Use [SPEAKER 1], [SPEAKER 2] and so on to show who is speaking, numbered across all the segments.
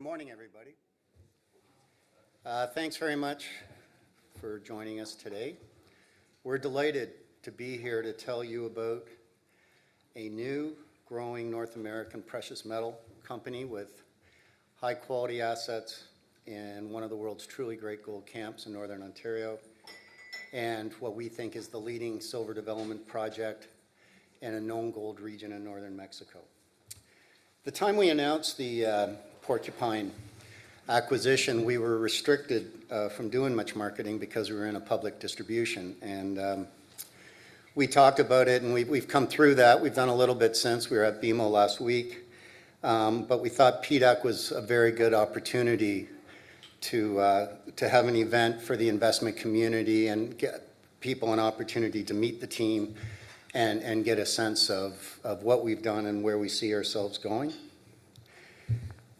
[SPEAKER 1] Good morning, everybody. Thanks very much for joining us today. We're delighted to be here to tell you about a new, growing North American precious metal company with high-quality assets in one of the world's truly great gold camps in northern Ontario, and what we think is the leading silver development project in a known gold region in northern Mexico. The time we announced the Porcupine acquisition, we were restricted from doing much marketing because we were in a public distribution. We talked about it, and we've come through that. We've done a little bit since. We were at BMO last week. But we thought PDAC was a very good opportunity to have an event for the investment community and get people an opportunity to meet the team and get a sense of what we've done and where we see ourselves going.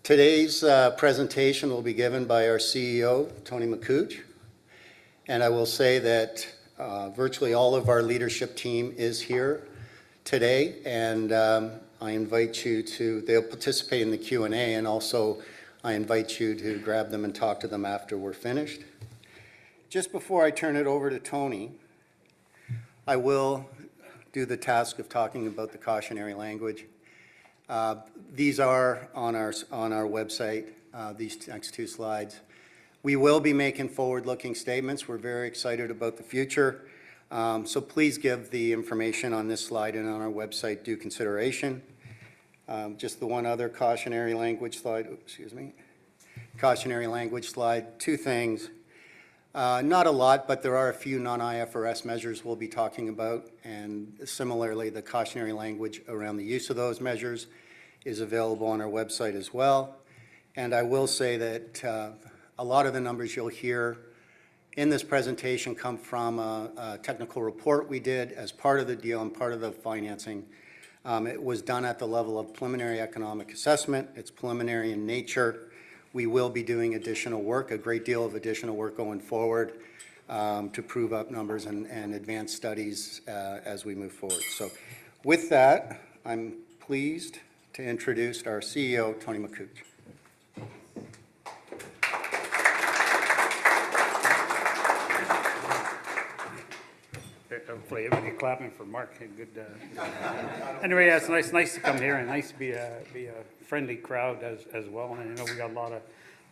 [SPEAKER 1] Today's presentation will be given by our CEO, Tony Makuch, and I will say that virtually all of our leadership team is here today, and I invite you to they'll participate in the Q&A, and also I invite you to grab them and talk to them after we're finished. Just before I turn it over to Tony, I will do the task of talking about the cautionary language. These are on our website, these next two slides. We will be making forward-looking statements. We're very excited about the future, so please give the information on this slide and on our website due consideration. Just the one other cautionary language slide, excuse me, cautionary language slide. Two things. Not a lot, but there are a few non-IFRS measures we'll be talking about, and similarly, the cautionary language around the use of those measures is available on our website as well. I will say that a lot of the numbers you'll hear in this presentation come from a technical report we did as part of the deal and part of the financing. It was done at the level of preliminary economic assessment. It's preliminary in nature. We will be doing additional work, a great deal of additional work going forward, to prove out numbers and advanced studies, as we move forward. With that, I'm pleased to introduce our CEO, Tony Makuch.
[SPEAKER 2] Hopefully, you're clapping for Mark. Good, anyway, it's nice to come here and nice to be a friendly crowd as well. And I know we got a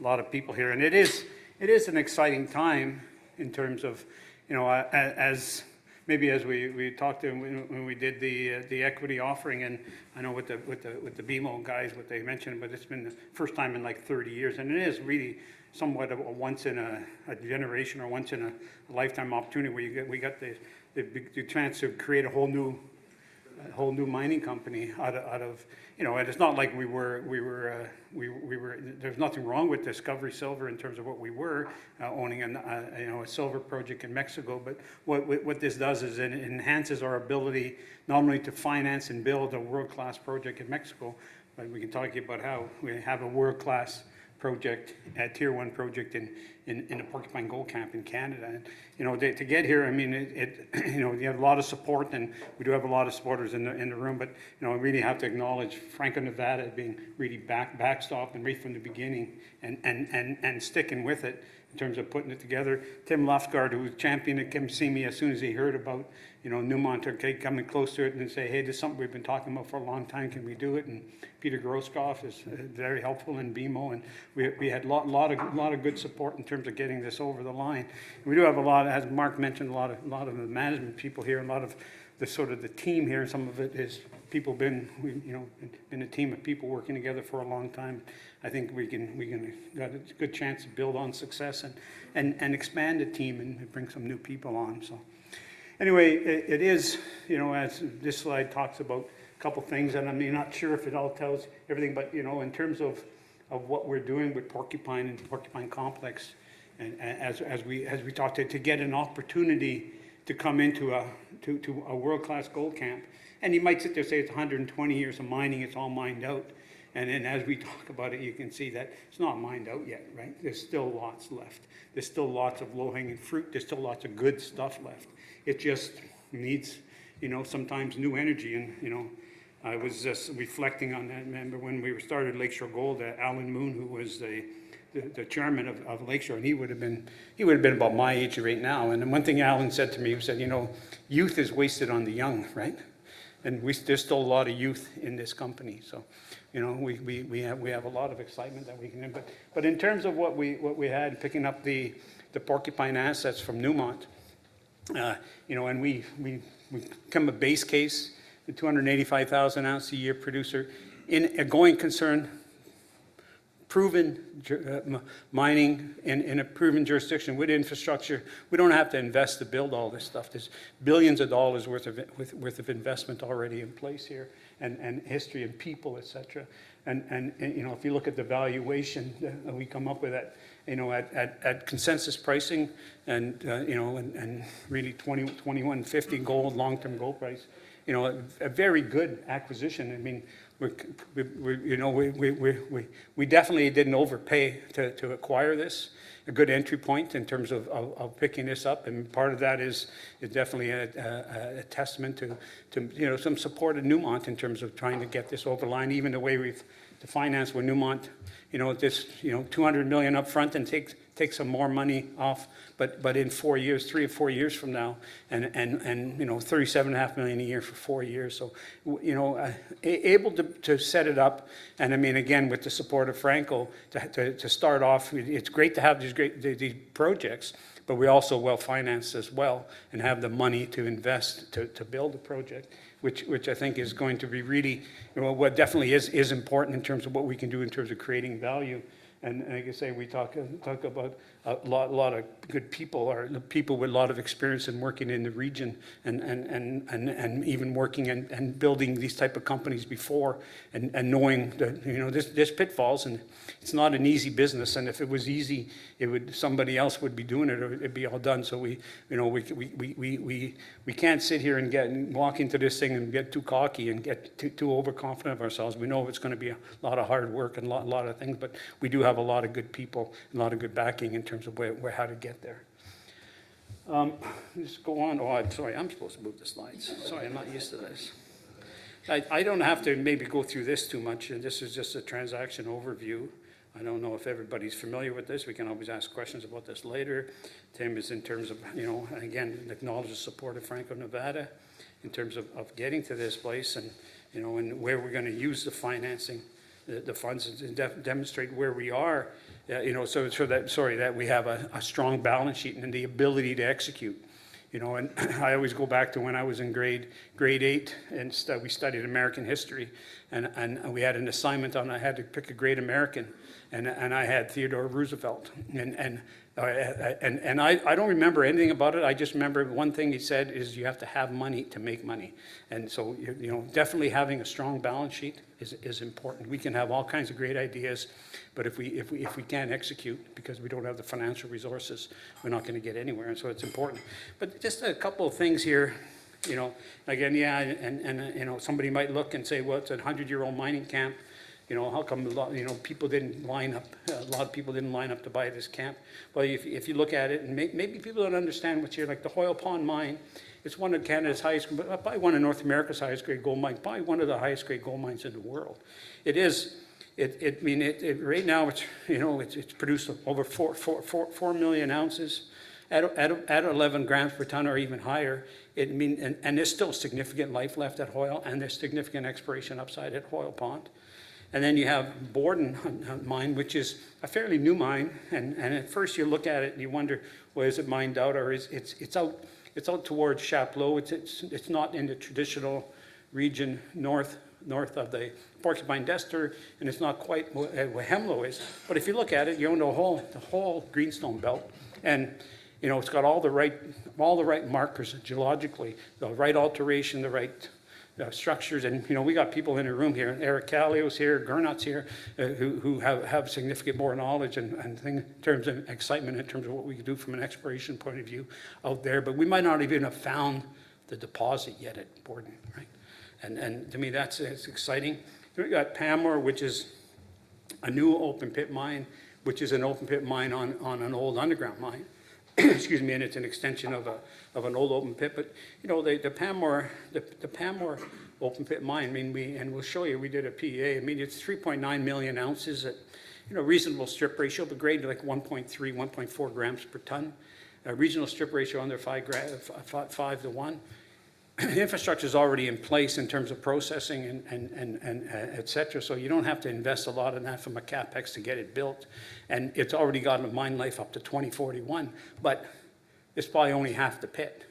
[SPEAKER 2] lot of people here. And it is an exciting time in terms of, you know, as maybe as we talked to him when we did the equity offering and I know with the BMO guys, what they mentioned, but it's been the first time in like 30 years. It is really somewhat of a once in a generation or once in a lifetime opportunity where you get, we got the chance to create a whole new mining company out of, you know, and it's not like we were, there's nothing wrong with Discovery Silver in terms of what we were, owning a, you know, a silver project in Mexico. But what this does is it enhances our ability not only to finance and build a world-class project in Mexico, but we can talk to you about how we have a world-class project, a tier one project in the Porcupine Gold Camp in Canada. You know, to get here, I mean, it you know, you have a lot of support and we do have a lot of supporters in the room, but you know, I really have to acknowledge Franco-Nevada being really backstopping right from the beginning and sticking with it in terms of putting it together. Tim Lafferty, who was championing, came to see me as soon as he heard about, you know, Newmont or coming close to it and say, "Hey, this is something we've been talking about for a long time. Can we do it?" Peter Grosskopf is very helpful in BMO. We had a lot of good support in terms of getting this over the line. We do have a lot of, as Mark mentioned, the management people here and a lot of the sort of the team here. Some of it is people been, you know, been a team of people working together for a long time. I think we can got a good chance to build on success and expand the team and bring some new people on. Anyway, it is, you know, as this slide talks about a couple of things, and I'm not sure if it all tells everything, but you know, in terms of what we're doing with Porcupine and Porcupine Complex and as we talked to get an opportunity to come into a world class gold camp. You might sit there and say it's 120 years of mining. It's all mined out. And then as we talk about it, you can see that it's not mined out yet, right? There's still lots left. There's still lots of low-hanging fruit. There's still lots of good stuff left. It just needs, you know, sometimes new energy. And, you know, I was just reflecting on that, man, but when we started Lake Shore Gold, Alan Moon, who was the chairman of Lake Shore, and he would have been about my age right now. And one thing Alan said to me, he said, you know, youth is wasted on the young, right? And we still have a lot of youth in this company. So, you know, we have a lot of excitement that we can have. But in terms of what we had picking up the Porcupine assets from Newmont, you know, and we become a base case, 285,000 ounce a year producer in a going concern, proven mining in a proven jurisdiction with infrastructure. We don't have to invest to build all this stuff. There's billions of dollars worth of investment already in place here and history and people, etc. And you know, if you look at the valuation, we come up with that, you know, at consensus pricing and you know, and really $21,050 gold, long-term gold price, you know, a very good acquisition. I mean, we're you know, we definitely didn't overpay to acquire this. A good entry point in terms of picking this up. Part of that is definitely a testament to, you know, some support of Newmont in terms of trying to get this over the line. Even the way we've financed with Newmont, you know, this, you know, $200 million upfront and takes some more money off, but in four years, three or four years from now, and, you know, $37.5 million a year for four years. So, you know, able to set it up. I mean, again, with the support of Franco-Nevada to start off, it's great to have these great projects, but we're also well financed as well and have the money to invest to build a project, which I think is going to be really, you know, what definitely is important in terms of what we can do in terms of creating value. I can say we talk about a lot of good people or people with a lot of experience in working in the region and even working and building these types of companies before and knowing that, you know, these pitfalls and it's not an easy business. If it was easy, it would, somebody else would be doing it or it'd be all done. So we, you know, we can't sit here and walk into this thing and get too cocky and get too overconfident of ourselves. We know it's going to be a lot of hard work and a lot of things, but we do have a lot of good people, a lot of good backing in terms of where how to get there. Just go on. Oh, I'm sorry. I'm supposed to move the slides. Sorry. I'm not used to this. I don't have to maybe go through this too much. And this is just a transaction overview. I don't know if everybody's familiar with this. We can always ask questions about this later. Timmins is in terms of, you know, again, acknowledge the support of Franco-Nevada in terms of getting to this place and, you know, and where we're going to use the financing, the funds and demonstrate where we are, you know, so that, sorry, that we have a strong balance sheet and the ability to execute, you know, and I always go back to when I was in grade eight and we studied American history and we had an assignment. I had to pick a great American and I had Theodore Roosevelt and I don't remember anything about it. I just remember one thing he said is you have to have money to make money. So, you know, definitely having a strong balance sheet is important. We can have all kinds of great ideas, but if we can't execute because we don't have the financial resources, we're not going to get anywhere. And so it's important. But just a couple of things here, you know, again, yeah. And, and, you know, somebody might look and say, well, it's a hundred-year-old mining camp. You know, how come a lot, you know, people didn't line up? A lot of people didn't line up to buy this camp. But if you look at it and maybe people don't understand what's here, like the Hoyle Pond Mine, it's one of Canada's highest, but probably one of North America's highest grade gold mine, probably one of the highest grade gold mines in the world. It is, I mean, it right now, it's, you know, it's produced over four million ounces at 11 grams per ton or even higher. I mean, and there's still significant life left at Hoyle and there's significant exploration upside at Hoyle Pond. And then you have Borden Mine, which is a fairly new mine. And at first you look at it and you wonder, well, is it mined out or is it out towards Chapleau. It's not in the traditional region north of the Porcupine-Destor. And it's not quite where Hemlo is. But if you look at it, you own the whole Greenstone Belt and, you know, it's got all the right markers geologically, the right alteration, the right structures. You know, we got people in a room here, Eric Kallio here, Gernot here, who have significant more knowledge and things in terms of excitement in terms of what we could do from an exploration point of view out there. But we might not even have found the deposit yet at Borden, right? To me that's exciting. We got Pamour, which is a new open pit mine, which is an open pit mine on an old underground mine. Excuse me. It's an extension of an old open pit. You know, the Pamour open pit mine, I mean, and we'll show you, we did a PEA. I mean, it's 3.9 million ounces at reasonable strip ratio, but graded like 1.3, 1.4 grams per ton. A regional strip ratio under five to one. Infrastructure is already in place in terms of processing and et cetera. So you don't have to invest a lot in that from a CapEx to get it built. And it's already got a mine life up to 2041, but it's probably only half the pit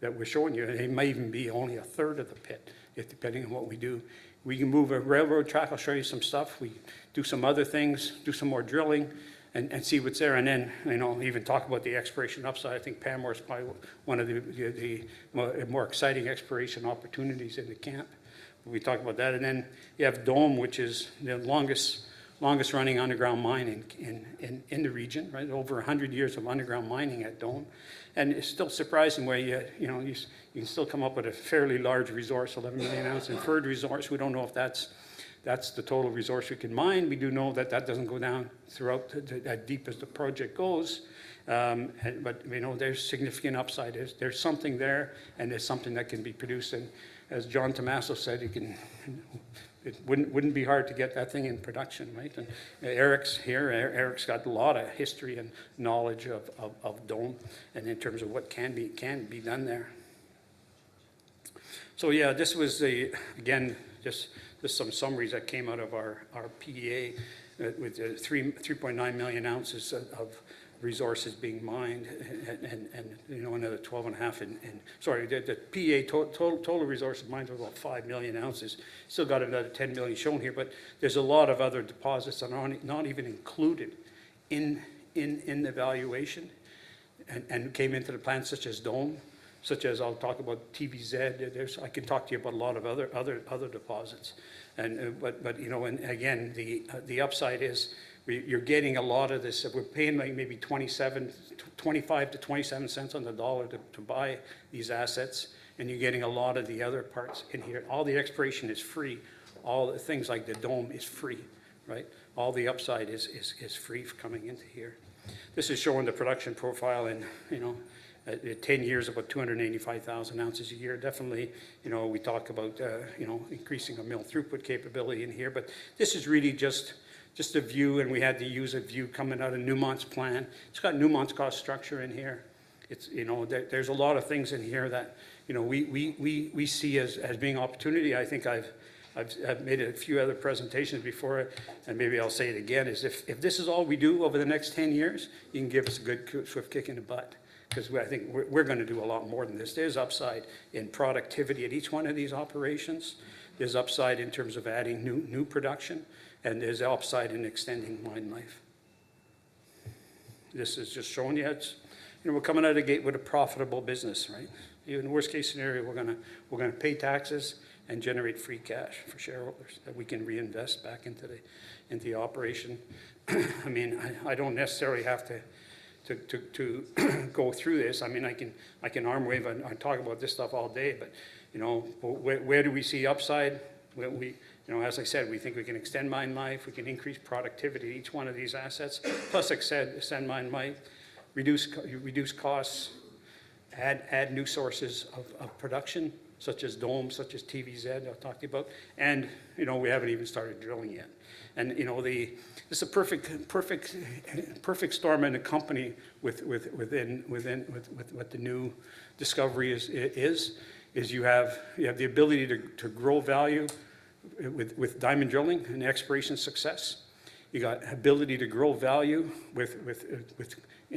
[SPEAKER 2] that we're showing you. It may even be only a third of the pit, depending on what we do. We can move a railroad track. I'll show you some stuff. We do some other things, do some more drilling and see what's there. And then, you know, even talk about the exploration upside. I think Pamour is probably one of the more exciting exploration opportunities in the camp. We talked about that. And then you have Dome, which is the longest running underground mine in the region, right? Over a hundred years of underground mining at Dome. And it's still surprising where you know you can still come up with a fairly large resource. 11 million ounce inferred resource. We don't know if that's the total resource we can mine. We do know that that doesn't go down throughout that deep as the project goes. But we know there's significant upside. There's something there and there's something that can be produced. And as John Tumazos said, you can it wouldn't be hard to get that thing in production, right? And Eric's here. Eric's got a lot of history and knowledge of Dome and in terms of what can be done there. Yeah, this was again just some summaries that came out of our PA with 3.9 million ounces of resources being mined and you know another 12.5 and sorry, the PA total resource of mines was about 5 million ounces. Still got another 10 million shown here, but there's a lot of other deposits not even included in the valuation and came into the plant such as Dome, such as I'll talk about TVZ. There's I can talk to you about a lot of other deposits. But you know and again the upside is you're getting a lot of this. We're paying like maybe $25-$27 cents on the dollar to buy these assets. And you're getting a lot of the other parts in here. All the exploration is free. All the things like the Dome is free, right? All the upside is free for coming into here. This is showing the production profile in, you know, at 10 years, about 285,000 ounces a year. Definitely, you know, we talk about, you know, increasing a mill throughput capability in here, but this is really just a view. We had the use of view coming out of Newmont's plant. It's got Newmont's cost structure in here. It's, you know, there's a lot of things in here that, you know, we see as being opportunity. I think I've made a few other presentations before it. Maybe I'll say it again: if this is all we do over the next 10 years, you can give us a good swift kick in the butt because I think we're going to do a lot more than this. There's upside in productivity at each one of these operations. There's upside in terms of adding new production and there's upside in extending mine life. This is just showing you, you know, we're coming out of the gate with a profitable business, right? Even in the worst case scenario, we're going to pay taxes and generate free cash for shareholders that we can reinvest back into the operation. I mean, I don't necessarily have to go through this. I mean, I can arm wave and talk about this stuff all day, but you know, where do we see upside? We, you know, as I said, we think we can extend mine life, we can increase productivity, each one of these assets, plus extend mine life, reduce costs, add new sources of production, such as Dome, such as TVZ I've talked about. And you know, we haven't even started drilling yet. And you know, it's a perfect storm in a company with what the new discovery is, you have the ability to grow value with diamond drilling and exploration success. You got ability to grow value with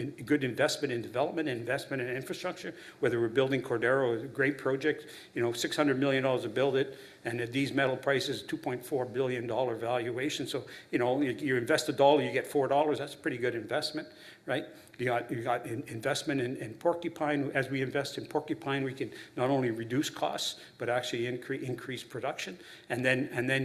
[SPEAKER 2] good investment in development, investment in infrastructure, whether we're building Cordero, is a great project, you know, $600 million to build it. At these metal prices, $2.4 billion valuation. So, you know, you invest a dollar, you get four dollars. That's a pretty good investment, right? You got investment in Porcupine. As we invest in Porcupine, we can not only reduce costs, but actually increase production. And then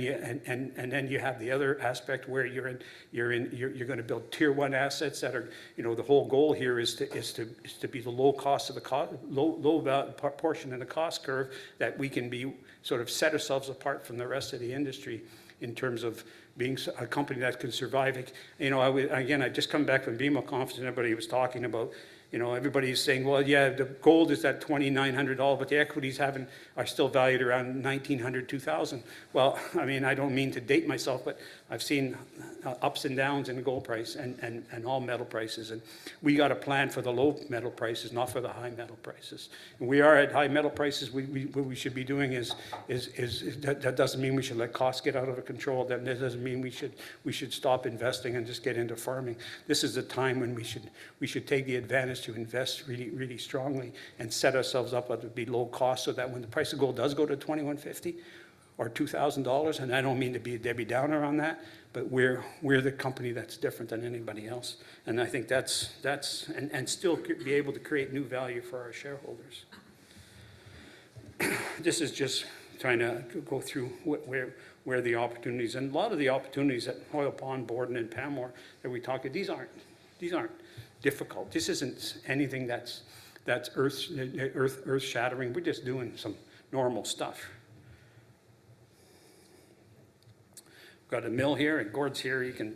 [SPEAKER 2] you have the other aspect where you're going to build tier one assets that are, you know, the whole goal here is to be the low cost of the cost, low value portion in the cost curve that we can sort of set ourselves apart from the rest of the industry in terms of being a company that can survive. You know, I just come back from BMO conference and everybody was talking about, you know, everybody is saying, well, yeah, the gold is at $2,900, but the equities haven't, are still valued around $1,900-$2,000. Well, I mean, I don't mean to date myself, but I've seen ups and downs in gold price and all metal prices. We got a plan for the low metal prices, not for the high metal prices. We are at high metal prices. What we should be doing is that doesn't mean we should let costs get out of control. This doesn't mean we should stop investing and just get into farming. This is the time when we should take advantage to invest really strongly and set ourselves up at low cost so that when the price of gold does go to $2,150 or $2,000, and I don't mean to be a Debbie Downer on that, but we're the company that's different than anybody else. I think that's and still be able to create new value for our shareholders. This is just trying to go through what, where the opportunities and a lot of the opportunities at Hoyle Pond, Borden, and Pamour that we talked to. These aren't difficult. This isn't anything that's earth shattering. We're just doing some normal stuff. We've got a mill here and Gord's here. He can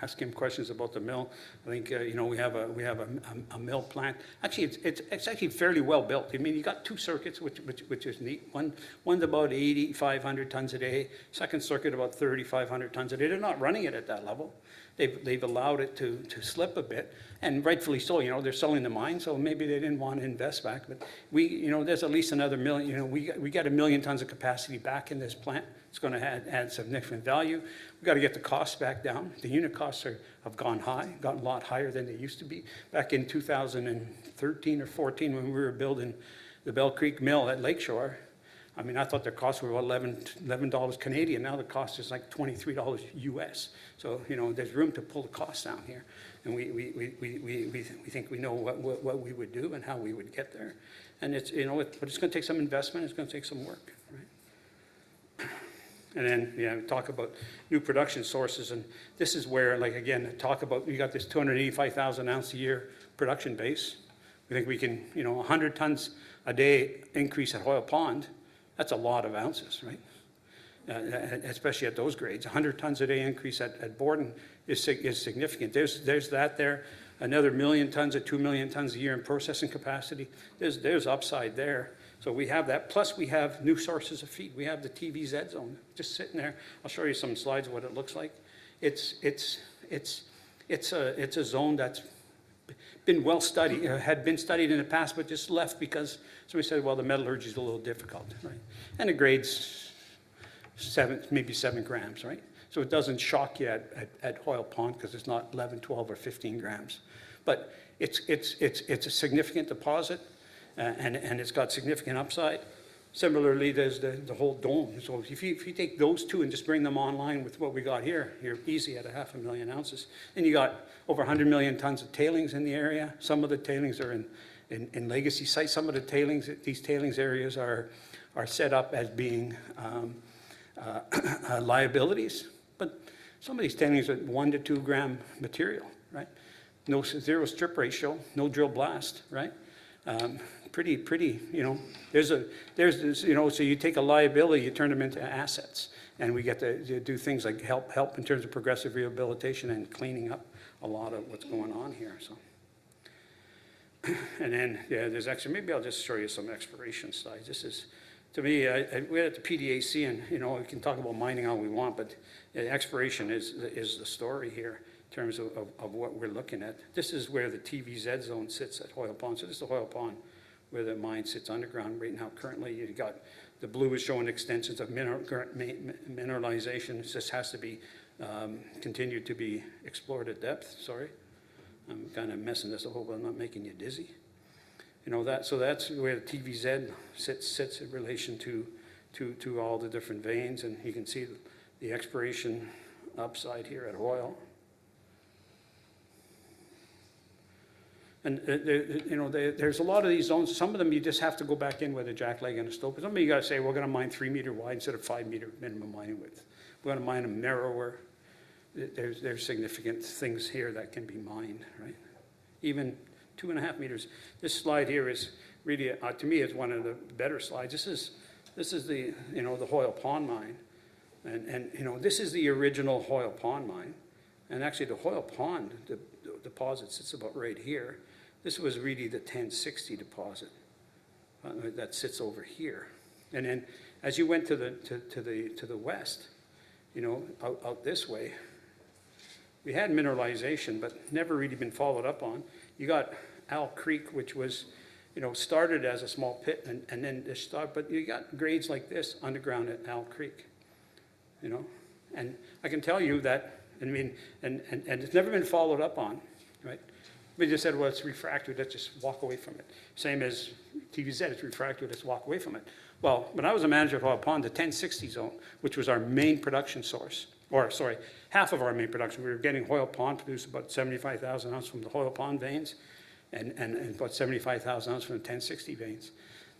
[SPEAKER 2] ask him questions about the mill. I think, you know, we have a mill plant. Actually, it's actually fairly well built. I mean, you got two circuits, which is neat. One's about 8,500 tons a day. Second circuit, about 3,500 tons a day. They're not running it at that level. They've allowed it to slip a bit, and rightfully so, you know, they're selling the mine. So maybe they didn't want to invest back, but we, you know, there's at least another million, you know, we got a million tons of capacity back in this plant. It's going to add significant value. We've got to get the costs back down. The unit costs have gone high, gotten a lot higher than they used to be back in 2013 or 2014 when we were building the Bell Creek Mill at Lakeshore. I mean, I thought the costs were about 11 dollars. Now the cost is like $23. So, you know, there's room to pull the costs down here. And we think we know what we would do and how we would get there. And it's, you know, it's going to take some investment. It's going to take some work, right? And then, yeah, talk about new production sources. And this is where, like, again, talk about, you got this 285,000 ounce a year production base. I think we can, you know, a hundred tons a day increase at Hoyle Pond. That's a lot of ounces, right? And especially at those grades, a hundred tons a day increase at Borden is significant. There's that there. Another million tons or two million tons a year in processing capacity. There's upside there. So we have that. Plus we have new sources of feed. We have the TVZ zone just sitting there. I'll show you some slides of what it looks like. It's a zone that's been well studied, had been studied in the past, but just left because, so we said, well, the metallurgy is a little difficult, right? And it grades seven, maybe seven grams, right? So it doesn't shock you at Hoyle Pond because it's not 11, 12, or 15 grams. But it's a significant deposit and it's got significant upside. Similarly, there's the whole Dome. So if you take those two and just bring them online with what we got here, you're easy at 500,000 ounces. And you got over 100 million tons of tailings in the area. Some of the tailings are in legacy sites. Some of the tailings, these tailings areas are set up as being liabilities. But some of these tailings are one to two gram material, right? No zero strip ratio, no drill blast, right? You know, there's this, you know, so you take a liability, you turn them into assets and we get to do things like help in terms of progressive rehabilitation and cleaning up a lot of what's going on here, so, and then, yeah, there's actually, maybe I'll just show you some exploration slides. This is, to me, we're at the PDAC and, you know, we can talk about mining all we want, but the exploration is the story here in terms of what we're looking at. This is where the TVZ zone sits at Hoyle Pond. So this is Hoyle Pond where the mine sits underground right now. Currently, you've got the blue is showing extensions of mineralization. This has to be continued to be explored at depth. Sorry, I'm kind of messing this up. I'm not making you dizzy. You know, so that's where the TVZ sits in relation to all the different veins. And you can see the exploration upside here at Hoyle. And you know, there's a lot of these zones. Some of them you just have to go back in with a jackleg and a stoper. Some you got to say, we're going to mine three meter wide instead of five meter minimum mining width. We're going to mine them narrower. There's significant things here that can be mined, right? Even two and a half meters. This slide here is really, to me, one of the better slides. This is you know, the Hoyle Pond Mine. And you know, this is the original Hoyle Pond Mine. And actually the Hoyle Pond deposit sits about right here. This was really the 1060 deposit that sits over here. And then as you went to the west, you know, out this way, we had mineralization, but never really been followed up on. You got Owl Creek, which was, you know, started as a small pit and then it started, but you got grades like this underground at Owl Creek, you know. And I can tell you that, I mean, it's never been followed up on, right? We just said, well, it's refractory. Let's just walk away from it. Same as TVZ, it's refractory. Let's walk away from it. When I was a manager of Hoyle Pond, the 1060 zone, which was our main production source, or sorry, half of our main production, we were getting Hoyle Pond produced about 75,000 ounces from the Hoyle Pond veins and about 75,000 ounces from the 1060 veins.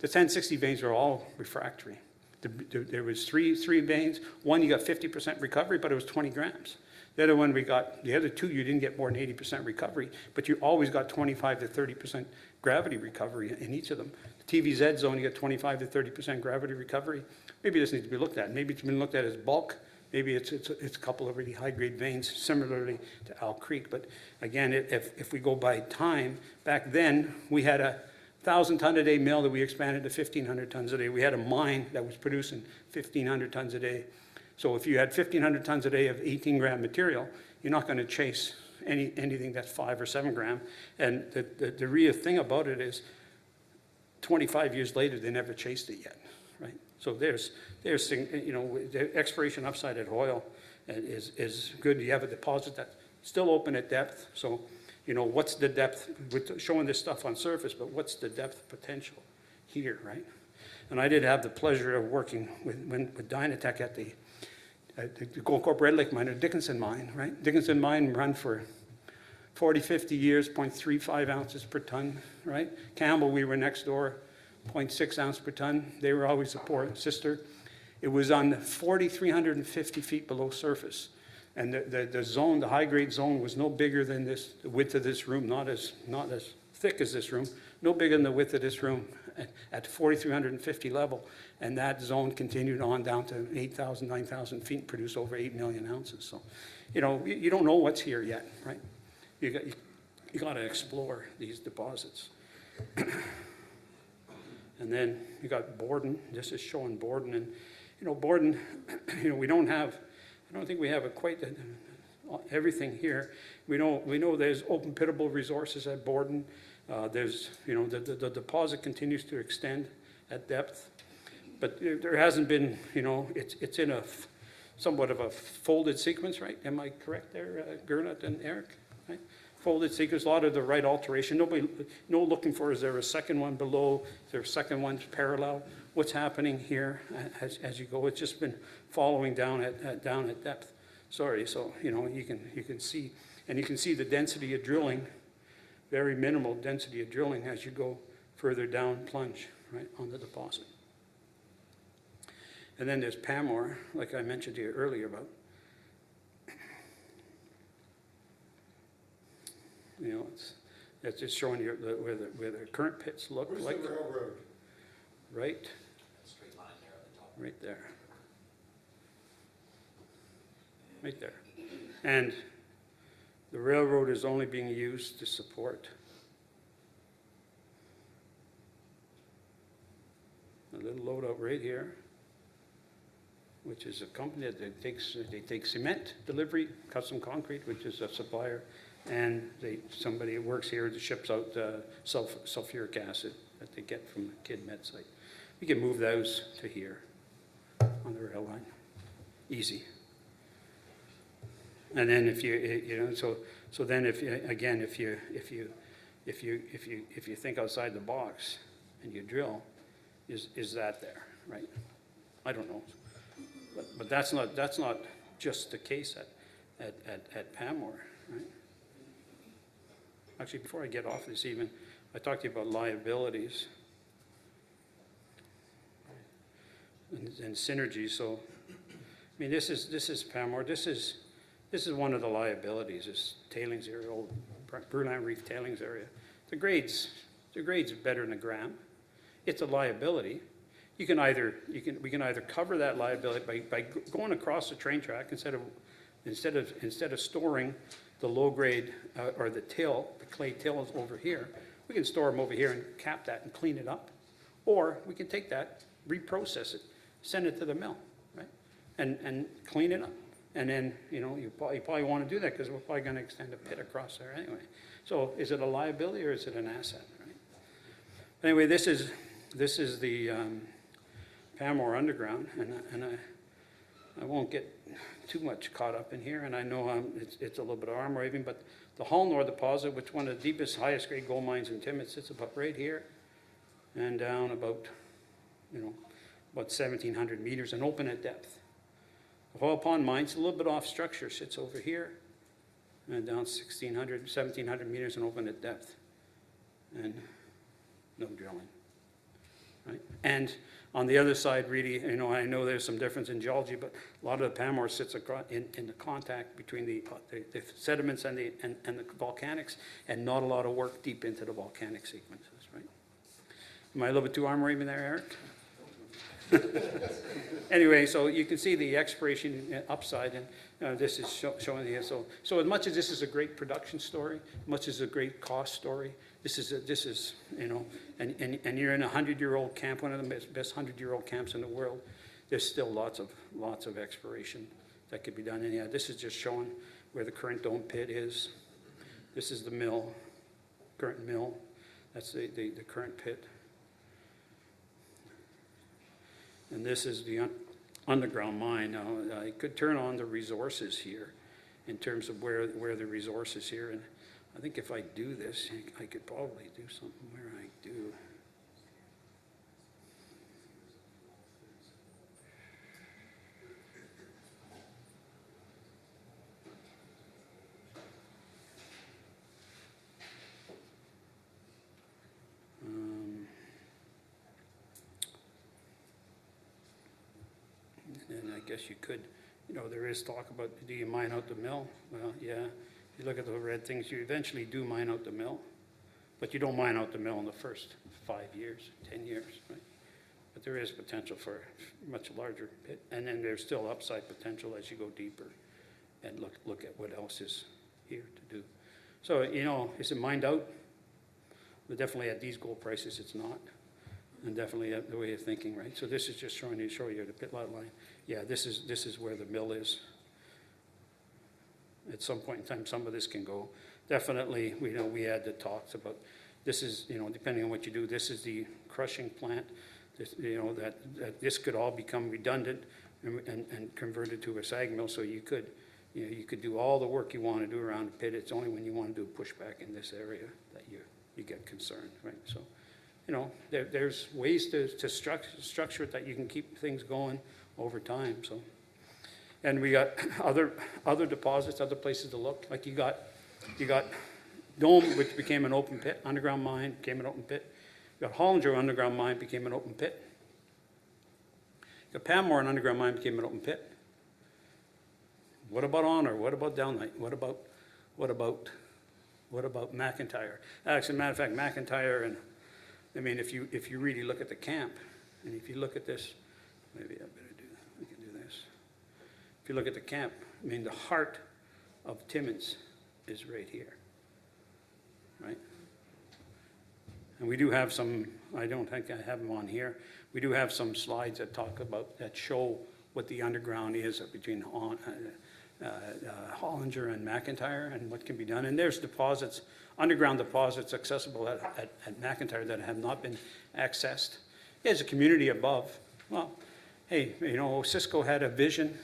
[SPEAKER 2] The 1060 veins were all refractory. There were three veins. One, you got 50% recovery, but it was 20 grams. The other one we got, the other two, you didn't get more than 80% recovery, but you always got 25%-30% gravity recovery in each of them. The TVZ zone, you got 25%-30% gravity recovery. Maybe this needs to be looked at. Maybe it's been looked at as bulk. Maybe it's a couple of really high grade veins, similarly to Owl Creek. But again, if we go by time, back then we had a thousand ton a day mill that we expanded to 1,500 tons a day. We had a mine that was producing 1,500 tons a day. So if you had 1,500 tons a day of 18 gram material, you're not going to chase anything that's five or seven gram. And the real thing about it is 25 years later, they never chased it yet, right? So there's you know, the exploration upside at Hoyle is good. You have a deposit that's still open at depth. So you know, what's the depth? We're showing this stuff on surface, but what's the depth potential here, right? And I did have the pleasure of working with Dynatec at the Goldcorp Red Lake Mine, at Dickenson Mine, right? Dickenson Mine ran for 40, 50 years, 0.35 ounces per ton, right? Campbell, we were next door, 0.6 ounce per ton. They were always a poor sister. It was on the 4,350 feet below surface. And the zone, the high grade zone was no bigger than this, the width of this room, not as thick as this room, no bigger than the width of this room at 4,350 level. And that zone continued on down to 8,000-9,000 feet, produced over 8 million ounces. So, you know, you don't know what's here yet, right? You got to explore these deposits. And then you got Borden. This is showing Borden. And, you know, Borden, you know, we don't have, I don't think we have quite everything here. We know there's open pittable resources at Borden. There's, you know, the deposit continues to extend at depth, but there hasn't been, you know, it's in a somewhat of a folded sequence, right? Am I correct there, Gernot and Eric? Right? Folded sequence, a lot of the right alteration. Nobody, no looking for, is there a second one below? Is there a second one parallel? What's happening here as you go? It's just been following down at down at depth. Sorry. So, you know, you can see the density of drilling, very minimal density of drilling as you go further down plunge, right, on the deposit. And then there's Pamour, like I mentioned to you earlier about, you know, it's just showing you the where the current pits look like. This is the railroad, right? It's right there. Right there. And the railroad is only being used to support a little load out right here, which is a company that takes cement delivery, custom concrete, which is a supplier, and somebody who works here that ships out the sulfuric acid that they get from Kidd Met Site. You can move those to here on the rail line. Easy. And then if you, you know, so then if you again think outside the box and you drill, is that there, right? I don't know. But that's not just the case at Pamour, right? Actually, before I get off this even, I talked to you about liabilities and synergies. So, I mean, this is Pamour. This is one of the liabilities, is the tailings area, the old Broulan Reef tailings area. The grades are better than a gram. It's a liability. You can either cover that liability by going across the train track instead of storing the low grade or the clay tills over here. We can store them over here and cap that and clean it up. Or we can take that, reprocess it, send it to the mill, right? And clean it up. And then, you know, you probably want to do that because we're probably going to extend a pit across there anyway. So is it a liability or is it an asset, right? Anyway, this is the Pamour underground. And I won't get too much caught up in here. I know it's a little bit of arm waving, but the Hallnor deposit, which is one of the deepest, highest grade gold mines in Timmins, it sits about right here and down about, you know, about 1,700 meters and open at depth. The Hoyle Pond Mines, a little bit off structure, sits over here and down 1,600-1,700 meters and open at depth. And no drilling. Right. And on the other side, really, you know, I know there's some difference in geology, but a lot of the Pamour sits across in the contact between the sediments and the volcanics and not a lot of work deep into the volcanic sequences, right? Am I a little bit too arm waving there, Eric? Anyway, so you can see the exploration upside and this is showing you. So as much as this is a great production story, much as a great cost story, this is, you know, an year and 100 year old camp, one of the best 100 year old camps in the world. There's still lots of exploration that could be done. And yeah, this is just showing where the current Dome pit is. This is the mill, current mill. That's the current pit. And this is the underground mine. I could turn on the resources here in terms of where the resource is here. And I think if I do this, I could probably do something where I do. And I guess you could, you know, there is talk about, do you mine out the mill? Well, yeah. If you look at the red things, you eventually do mine out the mill, but you don't mine out the mill in the first five years, ten years, right? But there is potential for a much larger pit. And then there's still upside potential as you go deeper and look, look at what else is here to do. So, you know, is it mined out? We definitely at these gold prices, it's not. And definitely the way of thinking, right? So this is just showing you, show you the pit line line. Yeah, this is, this is where the mill is. At some point in time, some of this can go. Definitely, we know we had the talks about this is, you know, depending on what you do, this is the crushing plant. This, you know, that this could all become redundant and converted to a SAG mill. So you could, you know, do all the work you want to do around a pit. It's only when you want to do pushback in this area that you get concerned, right? So, you know, there's ways to structure it that you can keep things going over time. So, and we got other deposits, other places to look. Like you got Dome, which became an open pit, underground mine, became an open pit. We got Hollinger underground mine, became an open pit. You got Pamour underground mine, became an open pit. What about Aunor? What about Delnite? What about McIntyre? Actually, as a matter of fact, McIntyre. I mean, if you really look at the camp, and if you look at this, maybe I better do. We can do this. If you look at the camp, I mean, the heart of Timmins is right here, right? We do have some. I don't think I have them on here. We do have some slides that talk about, that show what the underground is between Hollinger and McIntyre and what can be done. There's deposits, underground deposits accessible at McIntyre that have not been accessed. There's a community above. Hey, you know, Osisko had a vision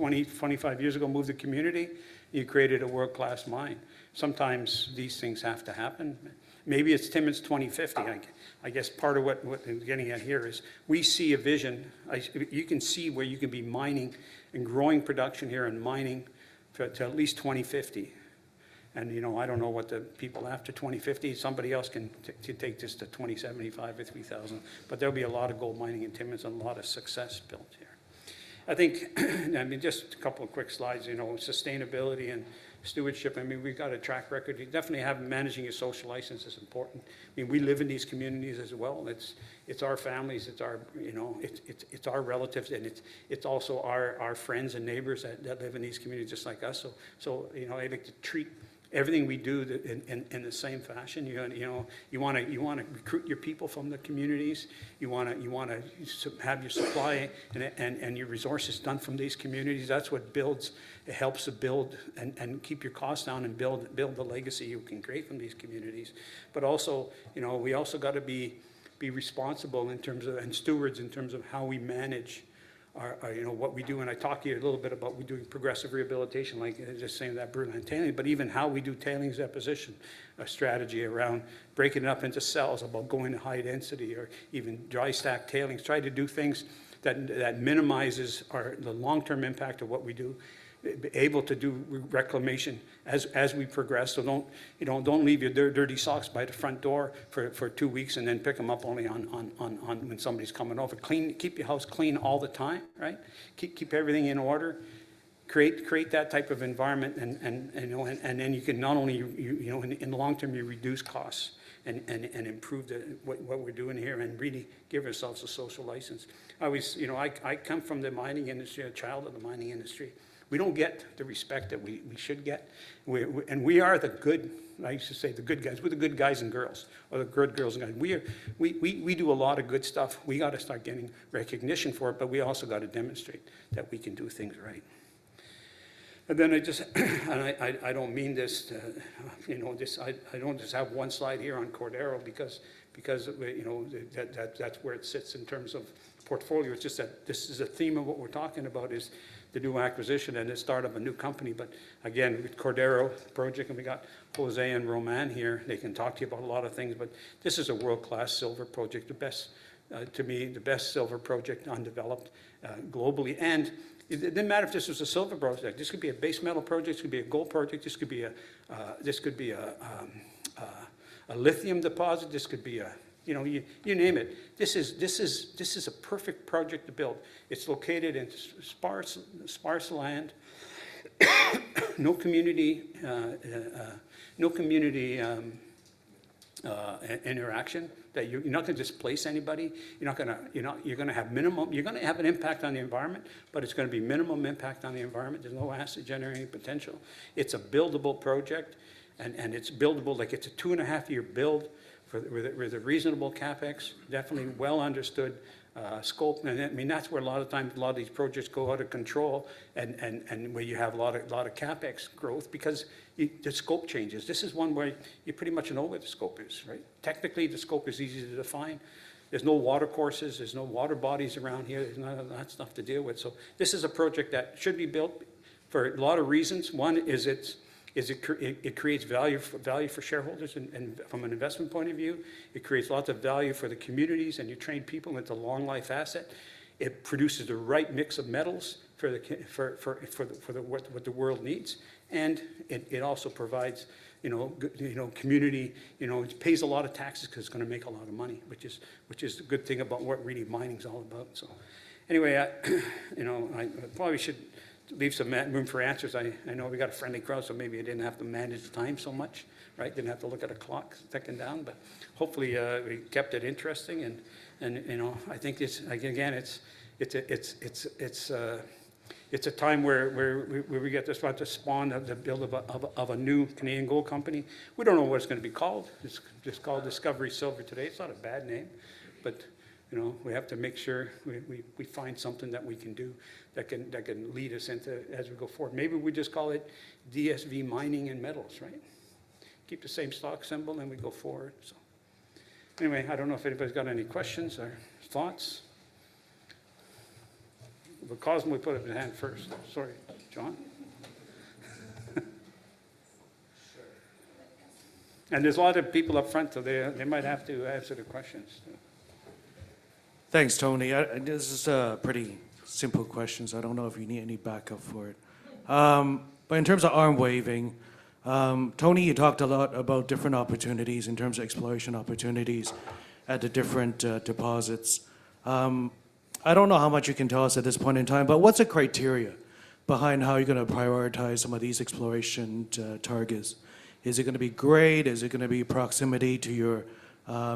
[SPEAKER 2] 20-25 years ago, moved the community. You created a world-class mine. Sometimes these things have to happen. Maybe it's Timmins 2050. I guess part of what I'm getting at here is we see a vision. You can see where you can be mining and growing production here and mining to at least 2050. And you know, I don't know what the people after 2050, somebody else can take this to 2075, 50,000, but there'll be a lot of gold mining in Timmins and a lot of success built here. I think. I mean, just a couple of quick slides, you know, sustainability and stewardship. I mean, we've got a track record. You definitely have managing your social license is important. I mean, we live in these communities as well. And it's our families, it's our, you know, it's our relatives and it's also our friends and neighbors that live in these communities just like us. So, you know, I like to treat everything we do in the same fashion. You know, you want to recruit your people from the communities. You want to have your supply and your resources done from these communities. That's what builds, it helps to build and keep your costs down and build the legacy you can create from these communities. But also, you know, we also got to be responsible in terms of, and stewards in terms of how we manage our, you know, what we do. And I talked to you a little bit about we do progressive rehabilitation, like I was just saying that Broulan and tailings, but even how we do Tailings deposition, a strategy around breaking it up into cells about going to high density or even dry stack tailings, trying to do things that minimizes our, the long-term impact of what we do, be able to do reclamation as we progress. So don't, you know, don't leave your dirty socks by the front door for two weeks and then pick them up only on when somebody's coming over. Clean, keep your house clean all the time, right? Keep everything in order. Create that type of environment and then you can not only, you know, in the long term, you reduce costs and improve what we're doing here and really give ourselves a social license. I always, you know, I come from the mining industry, a child of the mining industry. We don't get the respect that we should get. We're the good guys. I used to say the good guys, we're the good guys and girls or the good girls and guys. We do a lot of good stuff. We got to start getting recognition for it, but we also got to demonstrate that we can do things right. And then I don't mean this, you know, I don't just have one slide here on Cordero because we, you know, that's where it sits in terms of portfolio. It's just that this is a theme of what we're talking about is the new acquisition and the start of a new company. But again, with Cordero project and we got José and Roman here, they can talk to you about a lot of things, but this is a world-class silver project, the best, to me, the best silver project undeveloped, globally. And it didn't matter if this was a silver project. This could be a base metal project. This could be a gold project. This could be a lithium deposit. This could be a, you know, you name it. This is a perfect project to build. It's located in sparse land. No community interaction that you're not going to just place anybody. You're going to have an impact on the environment, but it's going to be minimum impact on the environment. There's no acid generating potential. It's a buildable project, and it's buildable. Like it's a two and a half year build with a reasonable CapEx, definitely well understood scope. And I mean, that's where a lot of times these projects go out of control and where you have a lot of CapEx growth because the scope changes. This is one where you pretty much know what the scope is, right? Technically, the scope is easy to define. There's no water courses. There's no water bodies around here. There's not enough stuff to deal with. So this is a project that should be built for a lot of reasons. One is it creates value, value for shareholders and from an investment point of view, it creates lots of value for the communities and you train people. It's a long life asset. It produces the right mix of metals for what the world needs. And it also provides, you know, community, you know, it pays a lot of taxes because it's going to make a lot of money, which is a good thing about what really mining is all about. So anyway, I, you know, I probably should leave some room for answers. I know we got a friendly crowd, so maybe I didn't have to manage time so much, right? Didn't have to look at a clock second down, but hopefully, we kept it interesting. You know, I think this, again, it's a time where we get to start to spawn the build of a new Canadian gold company. We don't know what it's going to be called. It's just called Discovery Silver today. It's not a bad name, but, you know, we have to make sure we find something that we can do that can lead us into as we go forward. Maybe we just call it DSV Mining and Metals, right? Keep the same stock symbol and we go forward. So anyway, I don't know if anybody's got any questions or thoughts. We'll cause them to put up the hand first. Sorry, John. And there's a lot of people up front, so they might have to answer the questions.
[SPEAKER 3] Thanks, Tony. This is a pretty simple question. So I don't know if you need any backup for it, but in terms of arm waving, Tony, you talked a lot about different opportunities in terms of exploration opportunities at the different deposits. I don't know how much you can tell us at this point in time, but what's the criteria behind how you're going to prioritize some of these exploration targets? Is it going to be grade? Is it going to be proximity to your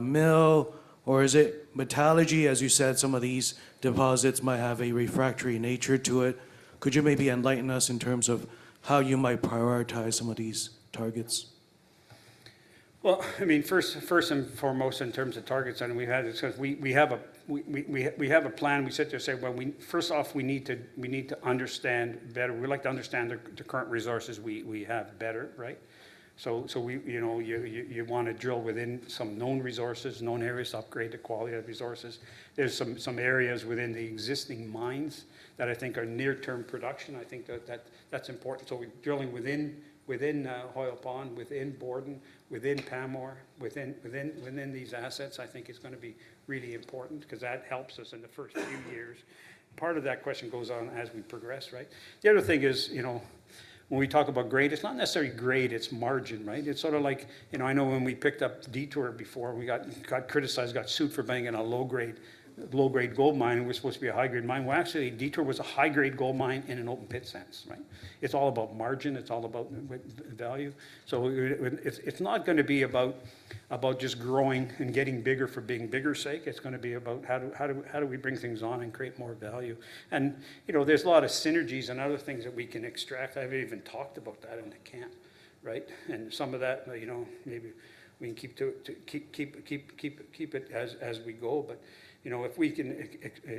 [SPEAKER 3] mill? Or is it metallurgy, as you said, some of these deposits might have a refractory nature to it? Could you maybe enlighten us in terms of how you might prioritize some of these targets?
[SPEAKER 2] Well, I mean, first and foremost in terms of targets, and we've had it, because we have a plan. We sit there and say, first off, we need to understand better. We like to understand the current resources we have better, right? So we, you know, you want to drill within some known resources, known areas, upgrade the quality of resources. There are some areas within the existing mines that I think are near-term production. I think that's important. So drilling within Hoyle Pond, within Borden, within Pamour, within these assets, I think it's going to be really important because that helps us in the first few years. Part of that question goes on as we progress, right? The other thing is, you know, when we talk about grade, it's not necessarily grade, it's margin, right? It's sort of like, you know, I know when we picked up Detour before, we got criticized, got sued for being in a low grade, low grade gold mine. We're supposed to be a high grade mine. Well, actually, Detour was a high grade gold mine in an open pit sense, right? It's all about margin. It's all about value. So it's not going to be about just growing and getting bigger for being bigger's sake. It's going to be about how do we bring things on and create more value. You know, there's a lot of synergies and other things that we can extract. I haven't even talked about that in the camp, right? And some of that, you know, maybe we can keep it as we go. But, you know, if we can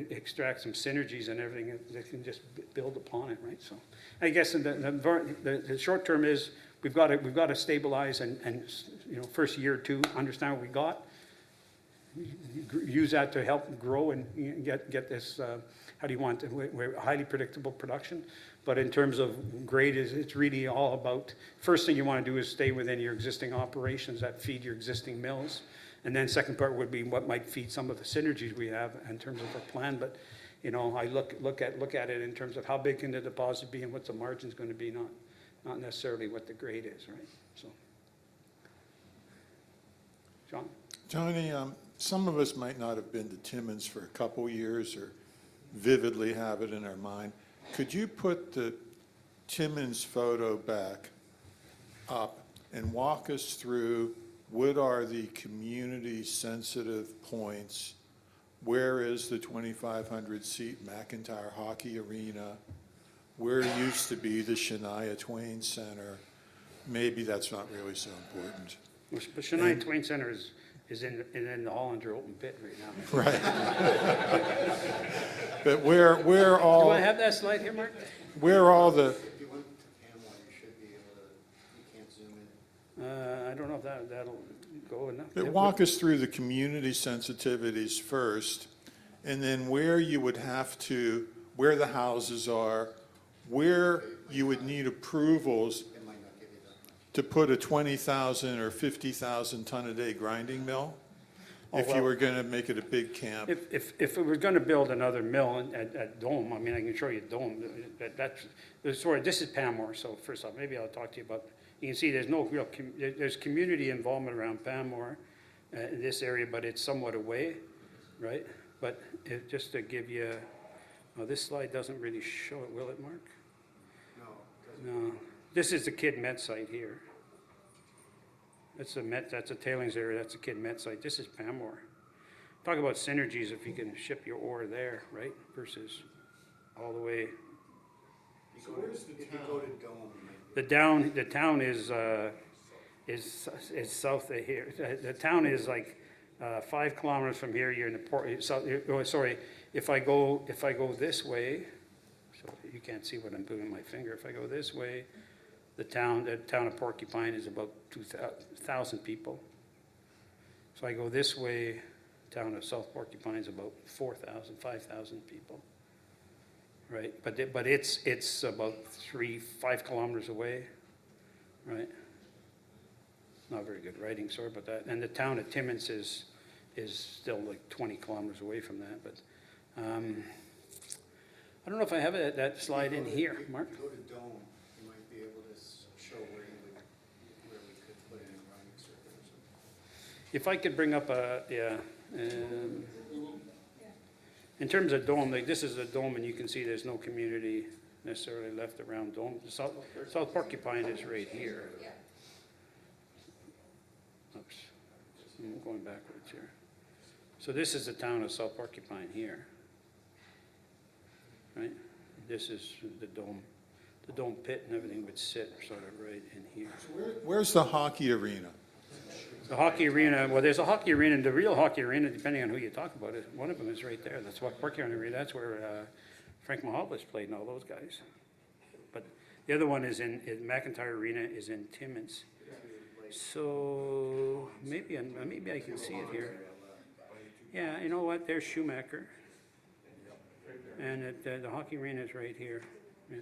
[SPEAKER 2] extract some synergies and everything, they can just build upon it, right? So I guess the short term is we've got to stabilize and, you know, first year or two, understand what we got, use that to help grow and get this, how do you want to, we're highly predictable production. But in terms of grade, it's really all about, first thing you want to do is stay within your existing operations that feed your existing mills. And then second part would be what might feed some of the synergies we have in terms of our plan. But, you know, I look, look at, look at it in terms of how big can the deposit be and what's the margin's going to be, not, not necessarily what the grade is, right? So, John,
[SPEAKER 4] Tony, some of us might not have been to Timmins for a couple of years or vividly have it in our mind. Could you put the Timmins photo back up and walk us through what are the community sensitive points? Where is the 2,500 seat McIntyre Hockey Arena? Where used to be the Shania Twain Centre? Maybe that's not really so important.
[SPEAKER 2] But Shania Twain Centre is, is in, is in the Hollinger open pit right now.
[SPEAKER 4] Right.But where, where all do I have that slide here, Mark? Where are all the, you want to camera? You should be, you can't zoom it.
[SPEAKER 2] I don't know if that, that'll go enough.
[SPEAKER 4] Walk us through the community sensitivities first and then where you would have to, where the houses are, where you would need approvals to put a 20,000 or 50,000 ton a day grinding mill if you were going to make it a big camp.
[SPEAKER 2] If we're going to build another mill at Dome, I mean, I can show you Dome, but that's, it's sort of this is Pamour. So first off, maybe I'll talk to you about, you can see there's no real community involvement around Pamour, in this area, but it's somewhat away, right? But just to give you, this slide doesn't really show it, will it, Mark?
[SPEAKER 1] No,
[SPEAKER 2] No. This is the Kidd Met Site here. That's a met site, that's a tailings area. That's a Kidd Met Site. This is Pamour. Talk about synergies if you can ship your ore there, right? Versus all the way. So go to Dome. The town is south of here. The town is like five kilometers from here. You're in the Porcupine. Oh, sorry. If I go this way, so you can't see what I'm doing with my finger. If I go this way, the town of Porcupine is about 2,000 people. So I go this way, town of South Porcupine is about 4,000, 5,000 people, right? But it's about three, five kilometers away, right? Not very good writing, sir, but that, and the town of Timmins is still like 20 kilometers away from that, but I don't know if I have that slide in here, Mark.
[SPEAKER 1] Go to Dome. I might be able to show where you would, you know, you could land in mining surveys.
[SPEAKER 2] If I could bring up a, yeah, in terms of Dome, like this is a Dome and you can see there's no community necessarily left around Dome. South, South Porcupine is right here. Oops! I'm going backwards here. So this is the town of South Porcupine here, right? This is the Dome, the Dome pit and everything would sit sort of right in here.
[SPEAKER 4] Where's the hockey arena?
[SPEAKER 2] The hockey arena, well, there's a hockey arena and the real hockey arena, depending on who you talk about it, one of them is right there. That's the Porcupine Arena, that's where Frank Mahovlich played and all those guys. But the other one is in, in McIntyre Arena is in Timmins. So maybe, maybe I can see it here. Yeah, you know what? There's Schumacher. And the hockey arena is right here. Yeah.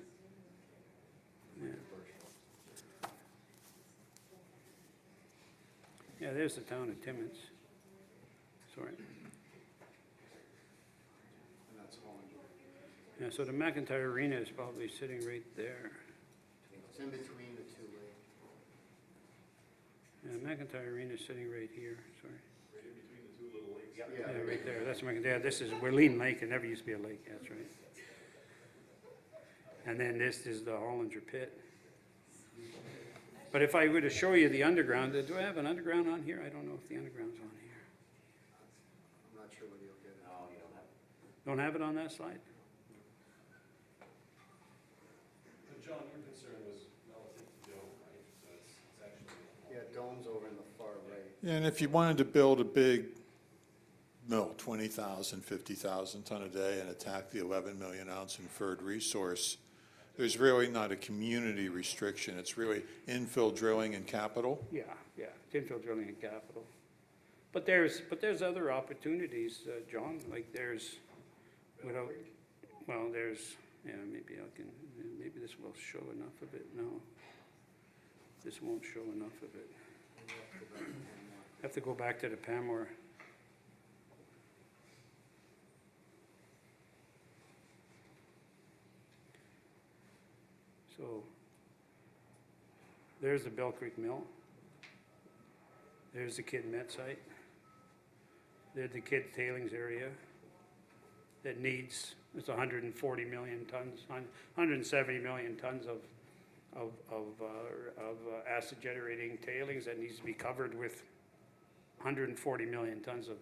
[SPEAKER 2] Yeah, there's the town of Timmins. Sorry. That's Hollinger. So the McIntyre Arena is probably sitting right there.
[SPEAKER 1] It's in between the two lakes.
[SPEAKER 2] And the McIntyre Arena is sitting right here. Sorry. Yeah, right there. That's McIntyre. This is where Loon Lake and there never used to be a lake after it. And then this is the Hollinger pit. But if I were to show you the underground, do I have an underground on here? I don't know if the underground's on here.
[SPEAKER 5] I'm not sure whether you'll get it. Oh, you'll have it.
[SPEAKER 2] Don't have it on that slide? And if you wanted to build a big mill, 20,000-50,000 ton a day and attack the 11 million ounce inferred resource, there's really not a community restriction. It's really infill drilling and capital. Yeah, yeah. It's infill drilling and capital. But there are other opportunities, John, like there is, without, well, there is, yeah, maybe I can, maybe this will show enough of it. No, this won't show enough of it. I have to go back to the Pamour. So there is the Bell Creek Mill. There is the Kidd Met Site. There is the Kidd tailings area that needs, it is 140 million tons, 170 million tons of acid generating tailings that needs to be covered with 140 million tons of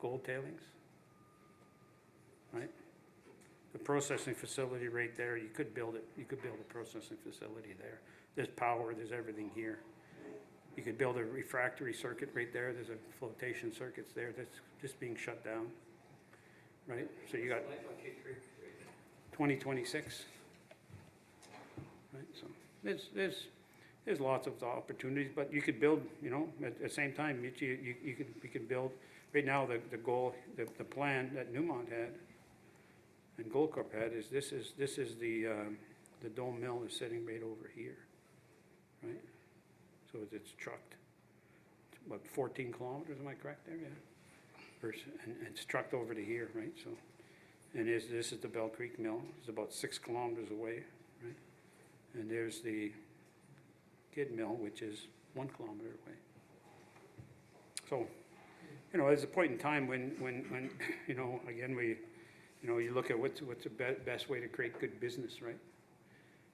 [SPEAKER 2] gold tailings. Right? The processing facility right there, you could build it, you could build a processing facility there. There is power, there is everything here. You could build a refractory circuit right there. There is a flotation circuit there. That is just being shut down. Right? So you got 2026. Right? So there's lots of opportunities, but you could build, you know, at the same time, you could build right now the Dome, the plan that Newmont had and Goldcorp had is this is the Dome Mill is sitting right over here. Right? So it's trucked about 14 kilometers, am I correct there? Yeah. And it's trucked over to here, right? So, and is this at the Bell Creek Mill? It's about six kilometers away, right? And there's the Kidd mill, which is one kilometer away. So, you know, at the point in time when, you know, again, we, you know, you look at what's the best way to create good business, right?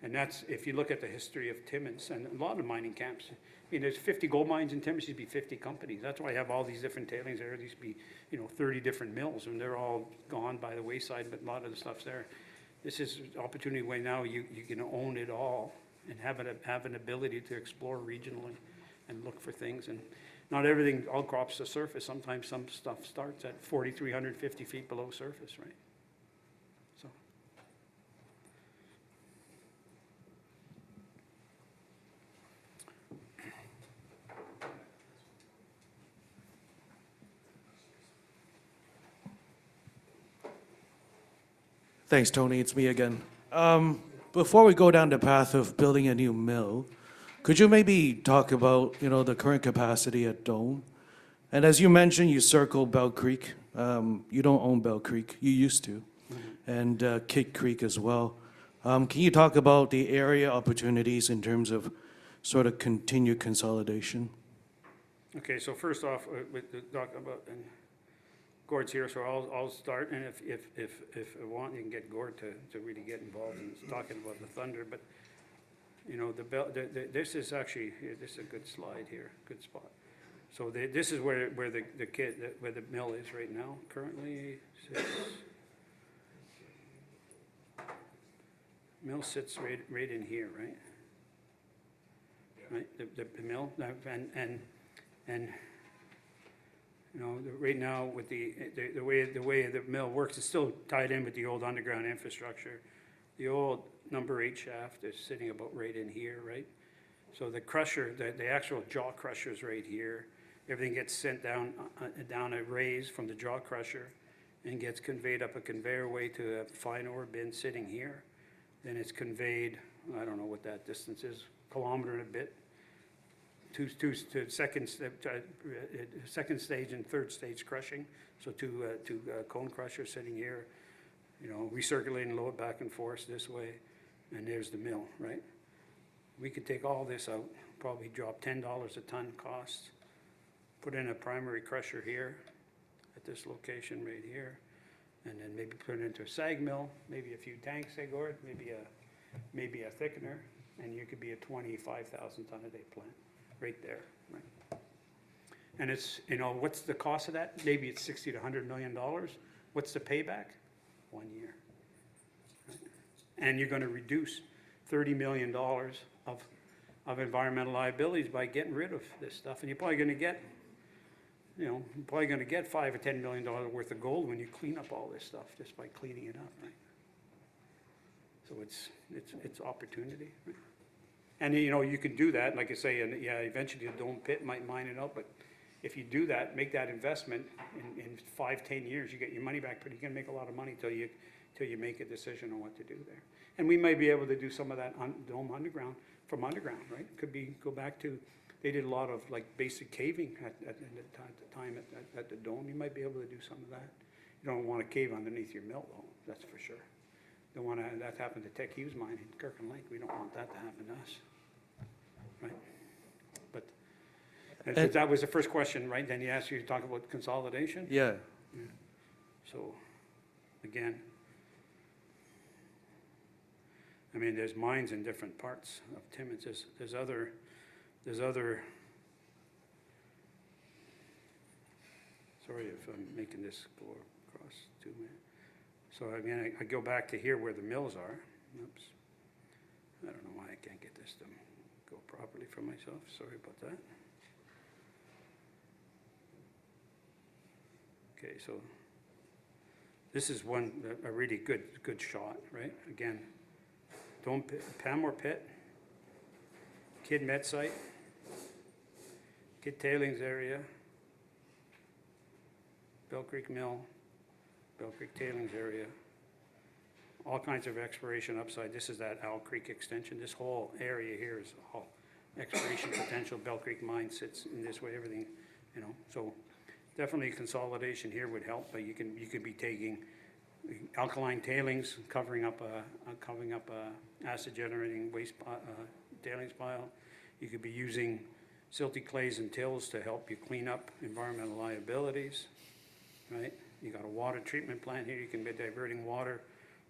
[SPEAKER 2] And that's, if you look at the history of Timmins and a lot of mining camps, you know, there's 50 gold mines in Timmins. There'd be 50 companies. That's why I have all these different tailings areas. There'd be, you know, 30 different mills and they're all gone by the wayside, but a lot of the stuff's there. This is an opportunity way now. You can own it all and have an ability to explore regional and look for things and not everything, all outcrops to surface. Sometimes some stuff starts at 4,350 feet below surface, right? So.
[SPEAKER 3] Thanks, Tony. It's me again. Before we go down the path of building a new mill, could you maybe talk about, you know, the current capacity at Dome? And as you mentioned, you circled Bell Creek. You don't own Bell Creek. You used to. Mm-hmm. Kidd Creek as well. Can you talk about the area opportunities in terms of sort of continued consolidation?
[SPEAKER 2] Okay. So first off, we talk about Gord here. So I'll start. And if I want, you can get Gord to really get involved in talking about the underground. But you know, this is actually a good slide here. Good spot. So this is where the Kidd, where the mill is right now, currently sits. The mill sits right in here, right? Yeah. Right? The mill and you know, right now with the way the mill works is still tied in with the old underground infrastructure. The old number eight shaft is sitting about right in here, right? So the crusher, the actual jaw crushers right here, everything gets sent down a raise from the jaw crusher and gets conveyed up a conveyor way to a final bin sitting here. And it's conveyed. I don't know what that distance is, kilometer and a bit, two to second stage and third stage crushing. So two cone crushers sitting here, you know, recirculating lower back and forth this way. And there's the mill, right? We could take all this out, probably drop $10 a ton cost, put in a primary crusher here at this location right here, and then maybe put it into a SAG mill, maybe a few tanks they go at, maybe a thickener, and you could be a 25,000 ton a day plant right there, right? And it's, you know, what's the cost of that? Maybe it's $60-$100 million. What's the payback? One year. And you're going to reduce $30 million of environmental liabilities by getting rid of this stuff. And you're probably going to get, you know, $5-$10 million worth of gold when you clean up all this stuff just by cleaning it up, right? So it's opportunity. And you know, you could do that, like you say, and yeah, eventually the Dome pit might mine it up, but if you do that, make that investment in 5-10 years, you get your money back, but you can make a lot of money till you make a decision on what to do there. And we might be able to do some of that on Dome underground, from underground, right? Could be. Go back to, they did a lot of, like, basic caving at the time at the Dome. You might be able to do some of that. You don't want to cave underneath your mill, though. That's for sure. Don't want to, and that's happened to Teck-Hughes mine in Kirkland Lake. We don't want that to happen to us. Right? But that was the first question, right? Then you asked you to talk about consolidation.
[SPEAKER 3] Yeah.
[SPEAKER 2] Yeah. So again, I mean, there's mines in different parts of Timmins. There's other, sorry if I'm making this go across too much. So I mean, I go back to here where the mills are. Oops. I don't know why I can't get this to go properly for myself. Sorry about that. Okay. So this is one, a really good shot, right? Again, Dome Pit, Pamour Pit, Kidd Met Site, Kidd Tailings Area, Bell Creek Mill, Bell Creek Timmins Area, all kinds of exploration upside. This is that Owl Creek extension. This whole area here is all exploration potential. Bell Creek mine sits in this way, everything, you know. So definitely consolidation here would help, but you can, you could be taking alkaline tailings, covering up an acid generating waste, tailings pile. You could be using silty clays and tills to help you clean up environmental liabilities, right? You got a water treatment plant here. You can be diverting water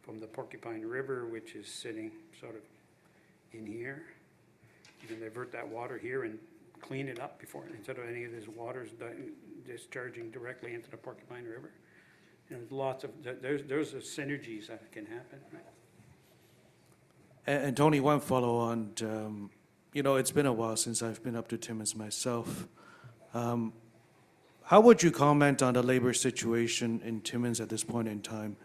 [SPEAKER 2] from the Porcupine River, which is sitting sort of in here. You can divert that water here and clean it up before instead of any of these waters discharging directly into the Porcupine River. There's lots of synergies that can happen.
[SPEAKER 3] Tony, one follow-on, you know, it's been a while since I've been up to Timmins myself. How would you comment on the labor situation in Timmins at this point in time?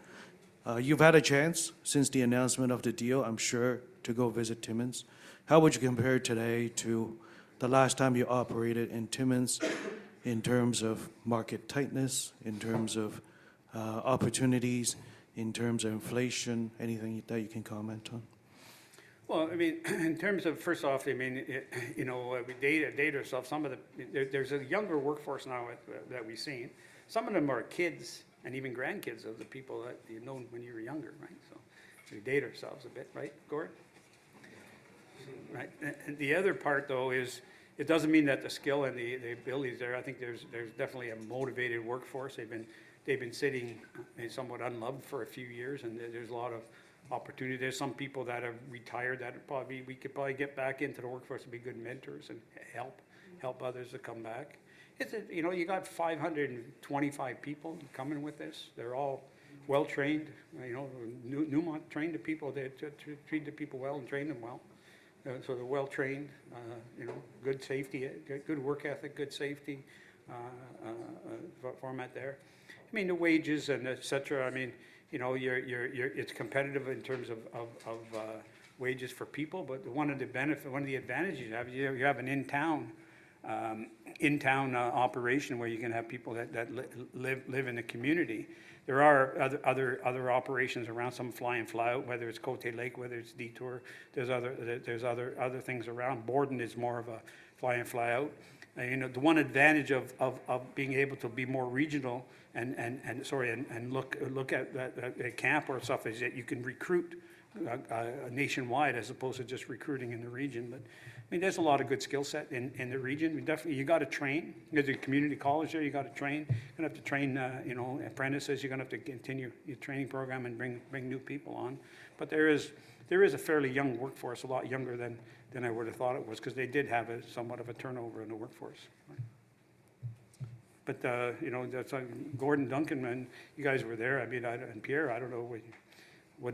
[SPEAKER 3] You've had a chance since the announcement of the deal, I'm sure, to go visit Timmins. How would you compare today to the last time you operated in Timmins in terms of market tightness, in terms of opportunities, in terms of inflation, anything that you can comment on?
[SPEAKER 2] Well, I mean, in terms of, first off, I mean, you know, we date ourselves, some of the, there's a younger workforce now that we've seen. Some of them are kids and even grandkids of the people that you've known when you were younger, right? So to date ourselves a bit, right, Gord? Right. The other part though is it doesn't mean that the skill and the abilities there. I think there's, there's definitely a motivated workforce. They've been, they've been sitting somewhat unloved for a few years and there's a lot of opportunity. There's some people that have retired that probably we could probably get back into the workforce to be good mentors and help, help others to come back. It's a, you know, you got 525 people coming with this. They're all well trained, you know, Newmont trained the people there, trained the people well and trained them well. And so they're well trained, you know, good safety, good work ethic, good safety record there. I mean, the wages and et cetera, I mean, you know, you're, it's competitive in terms of wages for people, but one of the benefits, one of the advantages you have, an in-town operation where you can have people that live in the community. There are other operations around, some fly and fly out, whether it's Côté Gold, whether it's Detour Lake, there's other things around. Borden is more of a fly and fly out. You know, the one advantage of being able to be more regional and sorry, look at that camp or stuff is that you can recruit nationwide as opposed to just recruiting in the region. But I mean, there's a lot of good skill set in the region. Definitely, you got to train. There's a community college there. You got to train. You're going to have to train, you know, apprentices. You're going to have to continue your training program and bring new people on. But there is a fairly young workforce, a lot younger than I would have thought it was, because they did have somewhat of a turnover in the workforce. But, you know, that's on Gordon Duncan and you guys were there. I mean, I don't, and Pierre, I don't know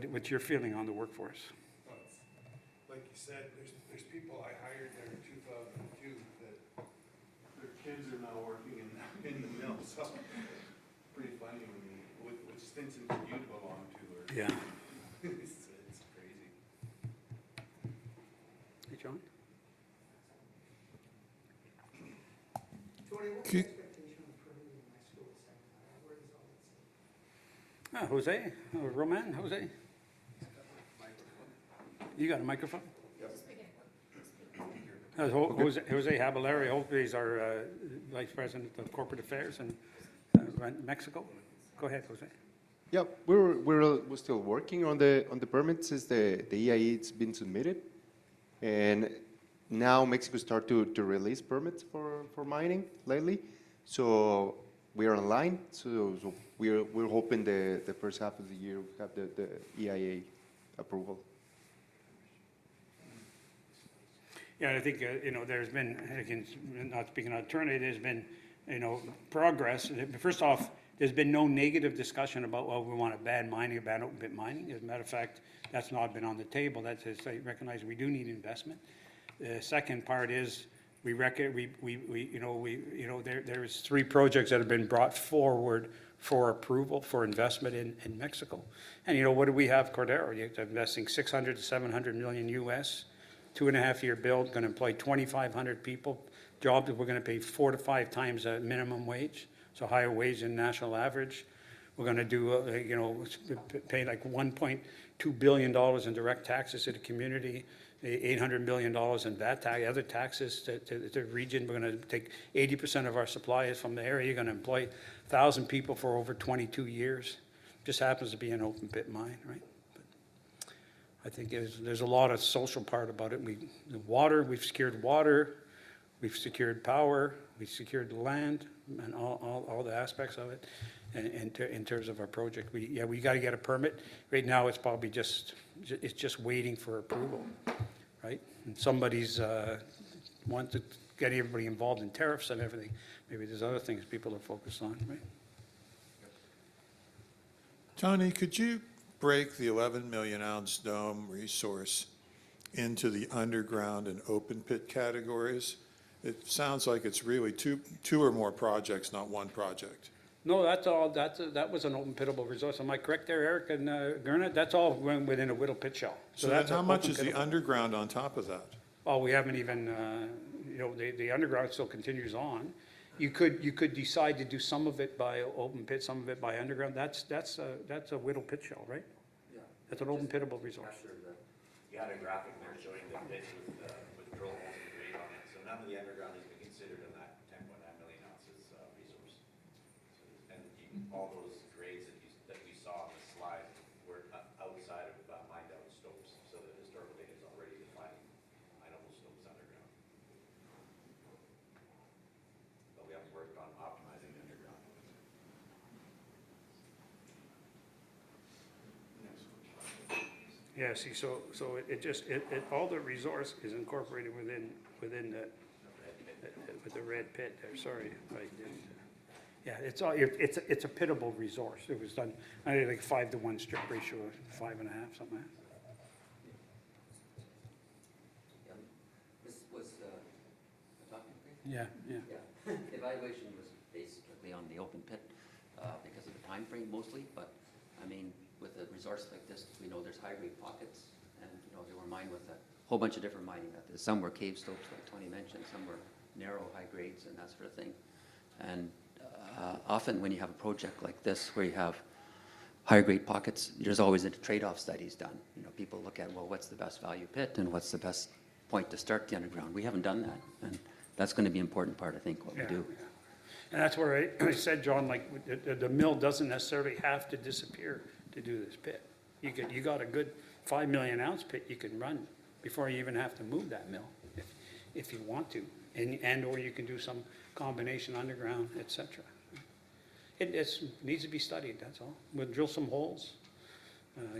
[SPEAKER 2] what you're feeling on the workforce.
[SPEAKER 6] Like you said, there's people I hired there in 2002 that their kids are now working in many of the mills. Pretty funny when you, with Stinson who you belong to. Yeah. It's crazy.
[SPEAKER 2] Hey, John. Okay. José, Roman, José. You got a microphone? José, José Jabalera, José is our Vice President of Corporate Affairs and runs Mexico. Go ahead, José.
[SPEAKER 7] Yep. We're still working on the permits since the EIA has been submitted. And now Mexico started to release permits for mining lately. So we are online. So we're hoping the first half of the year we have the EIA approval.
[SPEAKER 2] Yeah, I think, you know, there's been, again, not speaking on alternative, there's been, you know, progress. First off, there's been no negative discussion about, well, we want a bad mining, a bad open pit mining. As a matter of fact, that's not been on the table. That's a, I recognize we do need investment. The second part is we recognize, you know, there's three projects that have been brought forward for approval for investment in Mexico. You know, what do we have, Cordero? You're investing $600 million-$700 million, two and a half year build, going to employ 2,500 people, jobs that we're going to pay four to five times a minimum wage, so higher wage than national average. We're going to do, you know, pay like $1.2 billion in direct taxes to the community, $800 million in that tax, other taxes to the region. We're going to take 80% of our suppliers from the area. You're going to employ 1,000 people for over 22 years. Just happens to be an open pit mine, right? But I think there's a lot of social part about it. With the water, we've secured water, we've secured power, we've secured the land and all the aspects of it. And in terms of our project, we, yeah, we got to get a permit. Right now it's probably just waiting for approval, right? And somebody wants to get everybody involved in tariffs and everything. Maybe there's other things people are focused on, right?
[SPEAKER 8] Tony, could you break the 11 million ounce Dome resource into the underground and open pit categories? It sounds like it's really two or more projects, not one project.
[SPEAKER 2] No, that's all, that was an open-pittable resource. Am I correct there, Eric and Gernot? That's all went within a Whittle pit shell. So that's how much is the underground on top of that? Oh, we haven't even, you know, the underground still continues on. You could decide to do some of it by open pit, some of it by underground. That's a Whittle pit shell, right? Yeah. That's an open pittable resource.
[SPEAKER 9] Yeah, they got it. They're showing the pictures with the proposal you're doing on it. So none of the underground has been considered in that 10.9 million ounces resource. And all those grays that you saw in the slides were outside of the mined-out stopes. So the disturbance data is already defined minable stopes underground. But we have to work on optimizing the underground.
[SPEAKER 2] Yeah, see, so it just, all the resource is incorporated within the red pit. Sorry, I didn't. Yeah, it's all, it's a pittable resource.It was done, I think, five-to-one strip ratio of five and a half somewhere.
[SPEAKER 10] Evaluation was based strictly on the open pit, because of the time frame mostly. But I mean, with a resource like this, we know there's high grade pockets and, you know, they were mined with a whole bunch of different mining methods. Some were cave stopes, like Tony mentioned, some were narrow high grades and that sort of thing, and often when you have a project like this where you have high grade pockets, there's always a trade-off studies done. You know, people look at, well, what's the best value pit and what's the best point to start the underground? We haven't done that, and that's going to be an important part, I think, what we do.
[SPEAKER 2] And that's where I said, John, like the mill doesn't necessarily have to disappear to do this pit. You could, you got a good five million ounce pit you can run before you even have to move that mill if, if you want to. And or you can do some combination underground, et cetera. It needs to be studied. That's all. We'll drill some holes,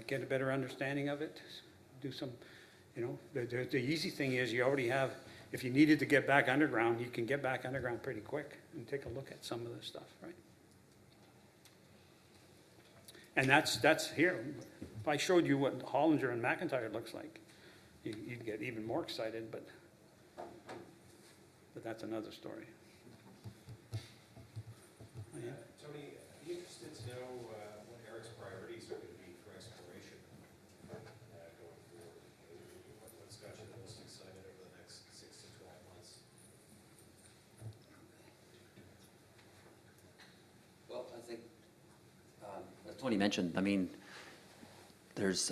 [SPEAKER 2] get a better understanding of it, do some, you know, the easy thing is you already have, if you needed to get back underground, you can get back underground pretty quick and take a look at some of this stuff, right? And that's here. If I showed you what Hollinger and McIntyre looks like, you'd get even more excited, but that's another story. Yeah.
[SPEAKER 11] Tony, you didn't know what your priorities are going to be for exploration that I both, but let's imagine that it's inside of the next six to 12 months.
[SPEAKER 12] I think, as Tony mentioned, I mean, there's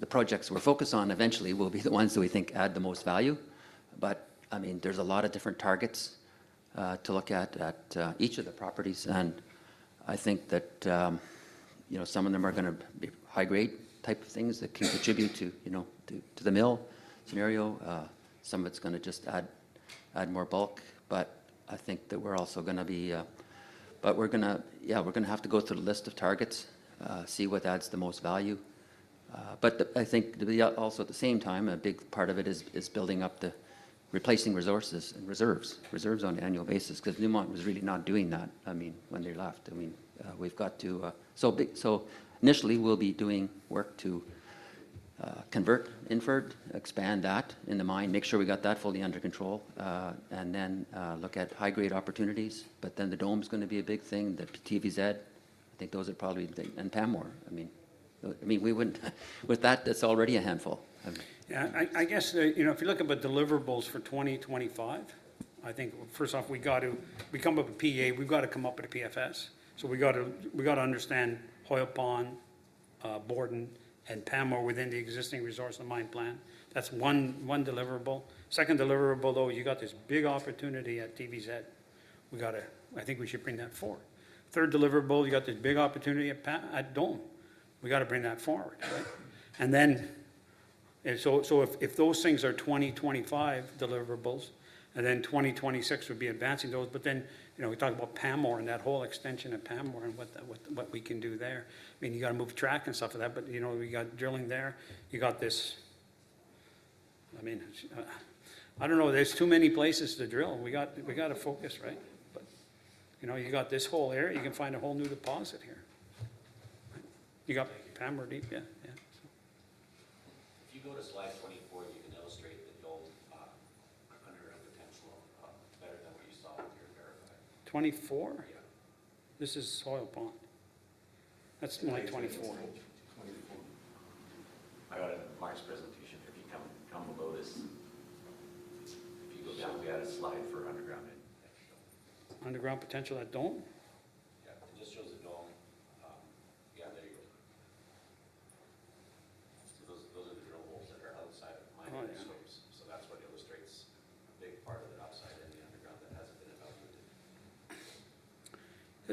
[SPEAKER 12] the projects we're focused on eventually will be the ones that we think add the most value. But I mean, there's a lot of different targets to look at at each of the properties. And I think that, you know, some of them are going to be high grade type of things that can contribute to, you know, to the mill scenario. Some of it's going to just add more bulk. But I think that we're going to have to go through the list of targets to see what adds the most value. But I think that we also, at the same time, a big part of it is, is building up the replacing resources and reserves, reserves on an annual basis, because Newmont was really not doing that. I mean, when they left, I mean, we've got to, so big, so initially we'll be doing work to, convert, inferred, expand that in the mine, make sure we got that fully under control, and then, look at high grade opportunities. But then the Dome is going to be a big thing, the TVZ, I think those are probably, and Pamour, I mean, I mean, we wouldn't, with that, that's already a handful.
[SPEAKER 2] Yeah, I guess, you know, if you're looking at deliverables for 2025, I think first off, we got to become a PEA, we've got to come up with a PFS. So we got to understand Hoyle Pond, Borden, and Pamour within the existing resource and mine plan. That's one deliverable. Second deliverable, though, you got this big opportunity at TVZ. We got to, I think we should bring that forward. Third deliverable, you got this big opportunity at Pamour, at Dome. We got to bring that forward, right? And then, so if those things are 2025 deliverables, and then 2026 would be advancing those, but then, you know, we talk about Pamour and that whole extension of Pamour and what we can do there. I mean, you got to move track and stuff like that, but you know, we got drilling there. You got this, I mean, I don't know, there's too many places to drill. We got to focus, right? But you know, you got this whole area, you can find a whole new deposit here. You got Pamour Deep, yeah.
[SPEAKER 13] If you bought a slice 24, you could demonstrate the Dome underground potential, better than we saw.
[SPEAKER 2] 24? This is Hoyle Pond. That's like 24.
[SPEAKER 13] 24. I got a live presentation. If you come below this, if you look at, we got a slide for underground.
[SPEAKER 2] Underground potential at Dome?
[SPEAKER 13] Yeah, it just shows the Dome. Yeah, there you go. So those are the holes that are outside the mine. Oh, yeah. So that's what illustrates.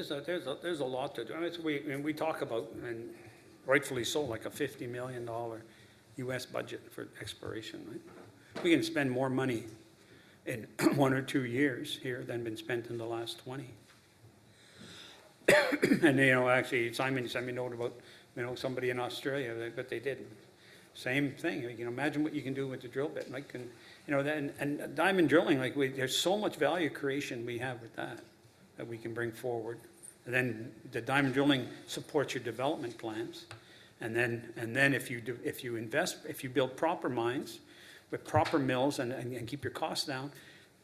[SPEAKER 2] There's a lot to do. I mean, we talk about, and rightfully so, like a $50 million USD budget for exploration, right? We can spend more money in one or two years here than been spent in the last 20. And you know, actually, Simon sent me a note about, you know, somebody in Australia, but they didn't. Same thing, you know, imagine what you can do with a drill bit, like, and you know, and diamond drilling, like. We, there's so much value creation we have with that, that we can bring forward. And then the diamond drilling supports your development plans. And then, if you invest, if you build proper mines with proper mills and keep your costs down,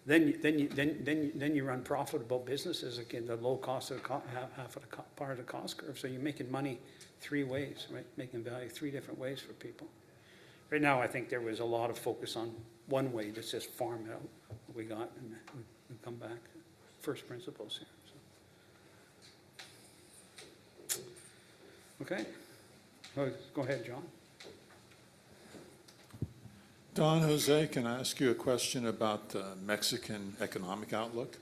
[SPEAKER 2] then you run profitable businesses against the low cost of the cost, half of the part of the cost curve. So you're making money three ways, right? Making value three different ways for people. Right now, I think there was a lot of focus on one way to just farm it out. We got and we come back to first principles here. Okay. Let's go ahead, John.
[SPEAKER 4] Don José can ask you a question about the Mexican economic outlook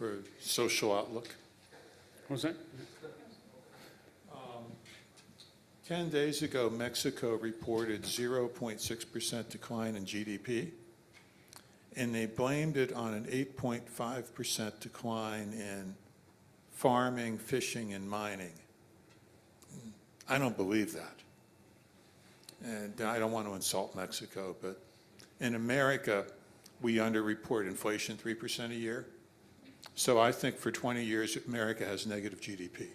[SPEAKER 4] or social outlook.
[SPEAKER 2] José?
[SPEAKER 14] 10 days ago, Mexico reported 0.6% decline in GDP, and they blamed it on an 8.5% decline in farming, fishing, and mining. I don't believe that. And I don't want to insult Mexico, but in America, we underreport inflation 3% a year. So I think for 20 years, America has negative GDP.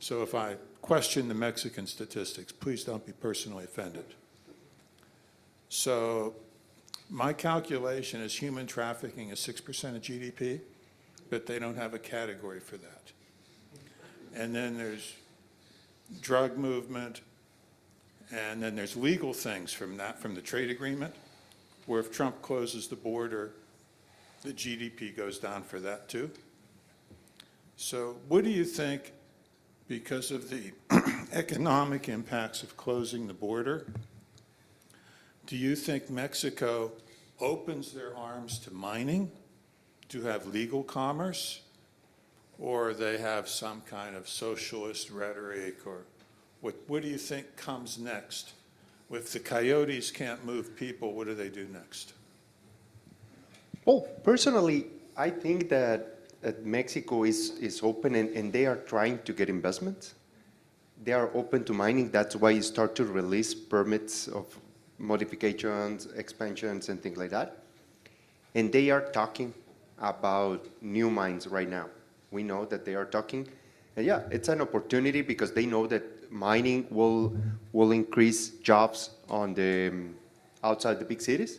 [SPEAKER 14] So if I question the Mexican statistics, please don't be personally offended. So my calculation is human trafficking is 6% of GDP, but they don't have a category for that. And then there's drug movement, and then there's legal things from that, from the trade agreement, where if Trump closes the border, the GDP goes down for that too. So what do you think, because of the economic impacts of closing the border, do you think Mexico opens their arms to mining, to have legal commerce, or they have some kind of socialist rhetoric? Or what do you think comes next? With the coyotes can't move people, what do they do next?
[SPEAKER 7] Well, personally, I think that Mexico is open and they are trying to get investments. They are open to mining. That's why you start to release permits of modifications, expansions, and things like that. And they are talking about new mines right now. We know that they are talking. And yeah, it's an opportunity because they know that mining will increase jobs on the outside the big cities.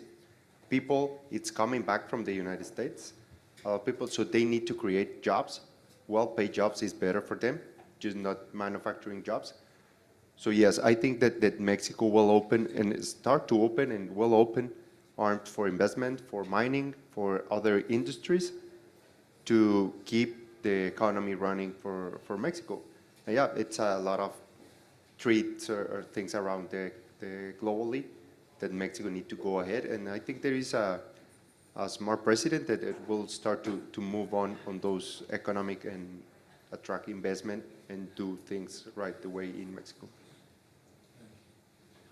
[SPEAKER 7] People, it's coming back from the United States, a lot of people. So they need to create jobs. Well-paid jobs is better for them, just not manufacturing jobs. So yes, I think that that Mexico will open and start to open and will open arms for investment, for mining, for other industries to keep the economy running for, for Mexico. Yeah, it's a lot of threats or things around the, the globe that Mexico need to go ahead. And I think there is a, a smart president that it will start to, to move on, on those economic and attract investment and do things right the way in Mexico.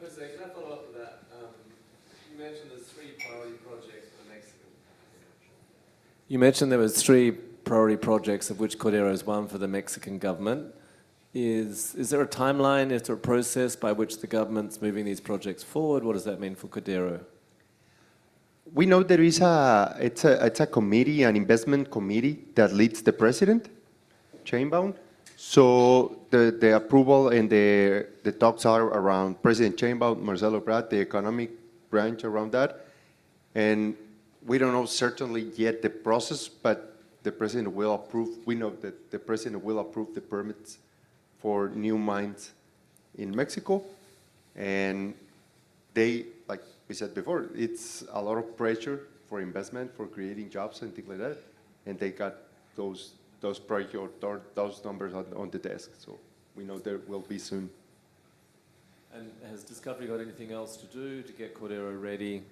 [SPEAKER 15] José, can I follow up on that, some of the three priority projects for the Mexican. You mentioned there were three priority projects, of which Cordero is one for the Mexican government. Is, is there a timeline? Is there a process by which the government's moving these projects forward? What does that mean for Cordero?
[SPEAKER 7] We know there is a committee, an investment committee that leads the president, Sheinbaum. So the approval and the talks are around President Sheinbaum, Marcelo Ebrard, the economic branch around that. And we don't know certainly yet the process, but the president will approve. We know that the president will approve the permits for new mines in Mexico. And they, like we said before, it's a lot of pressure for investment, for creating jobs and things like that. And they got those priority or those numbers on the desk. So we know there will be soon.
[SPEAKER 15] And has Discovery got anything else to do to get Cordero ready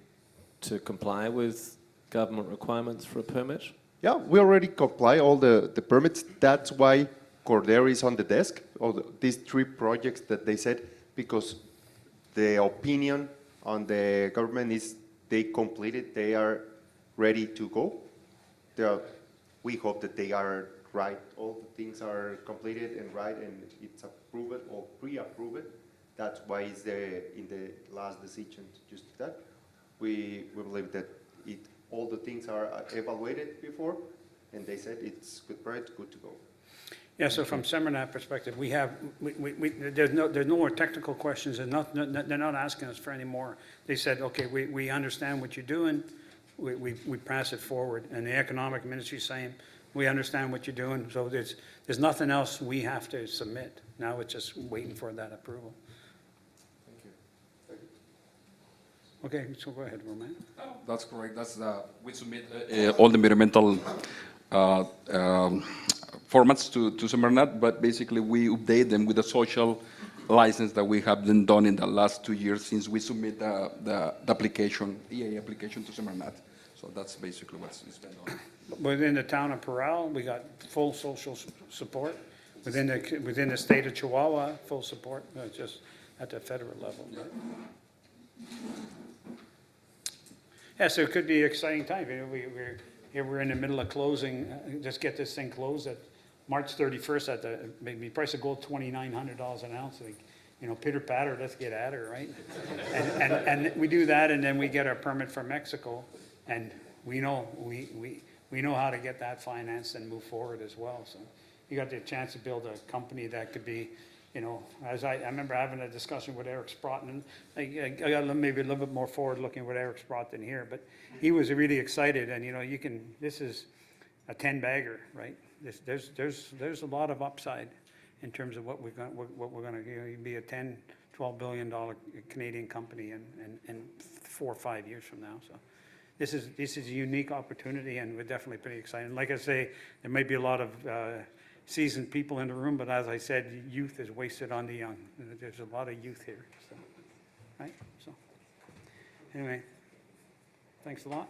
[SPEAKER 15] to comply with government requirements for a permit?
[SPEAKER 7] Yeah, we already comply all the permits. That's why Cordero is on the desk, all these three projects that they said, because the opinion on the government is they completed, they are ready to go. We hope that they are right, all the things are completed and right, and it's approved or pre-approved. That's why it's in the last decision to just that. We believe that it, all the things are evaluated before, and they said it's good for it, good to go.
[SPEAKER 2] Yeah, so from SEMARNAT perspective, we have, there's no more technical questions and nothing, they're not asking us for any more. They said, okay, we pass it forward. And the Economic ministry is saying, we understand what you're doing. So there's nothing else we have to submit. Now it's just waiting for that approval.
[SPEAKER 15] Thank you.
[SPEAKER 2] Okay, so go ahead, Roman.
[SPEAKER 16] That's correct. We submit all the environmental formats to SEMARNAT, but basically we update them with a social license that has been done in the last two years since we submitted the EA application to SEMARNAT. So that's basically what's been done.
[SPEAKER 2] Within the town of Parral, we got full social support. Within the state of Chihuahua, full support, not just at the federal level, right? Yeah, so it could be an exciting time. You know, we're in the middle of closing, just get this thing closed at March 31st at the maybe price of gold, $2,900 an ounce. Like, you know, pitter patter, let's get at it, right? And we do that and then we get our permit from Mexico and we know how to get that financed and move forward as well. You got the chance to build a company that could be, you know, as I remember having a discussion with Eric Sprott, maybe a little bit more forward looking with Eric Sprott here, but he was really excited and you know, you can. This is a 10 bagger, right? There's a lot of upside in terms of what we're going to be a $10-$12 billion Canadian company and four or five years from now. This is a unique opportunity and we're definitely pretty excited. Like I say, there may be a lot of seasoned people in the room, but as I said, youth is wasted on the young. There's a lot of youth here. So, right? So, anyway, thanks a lot.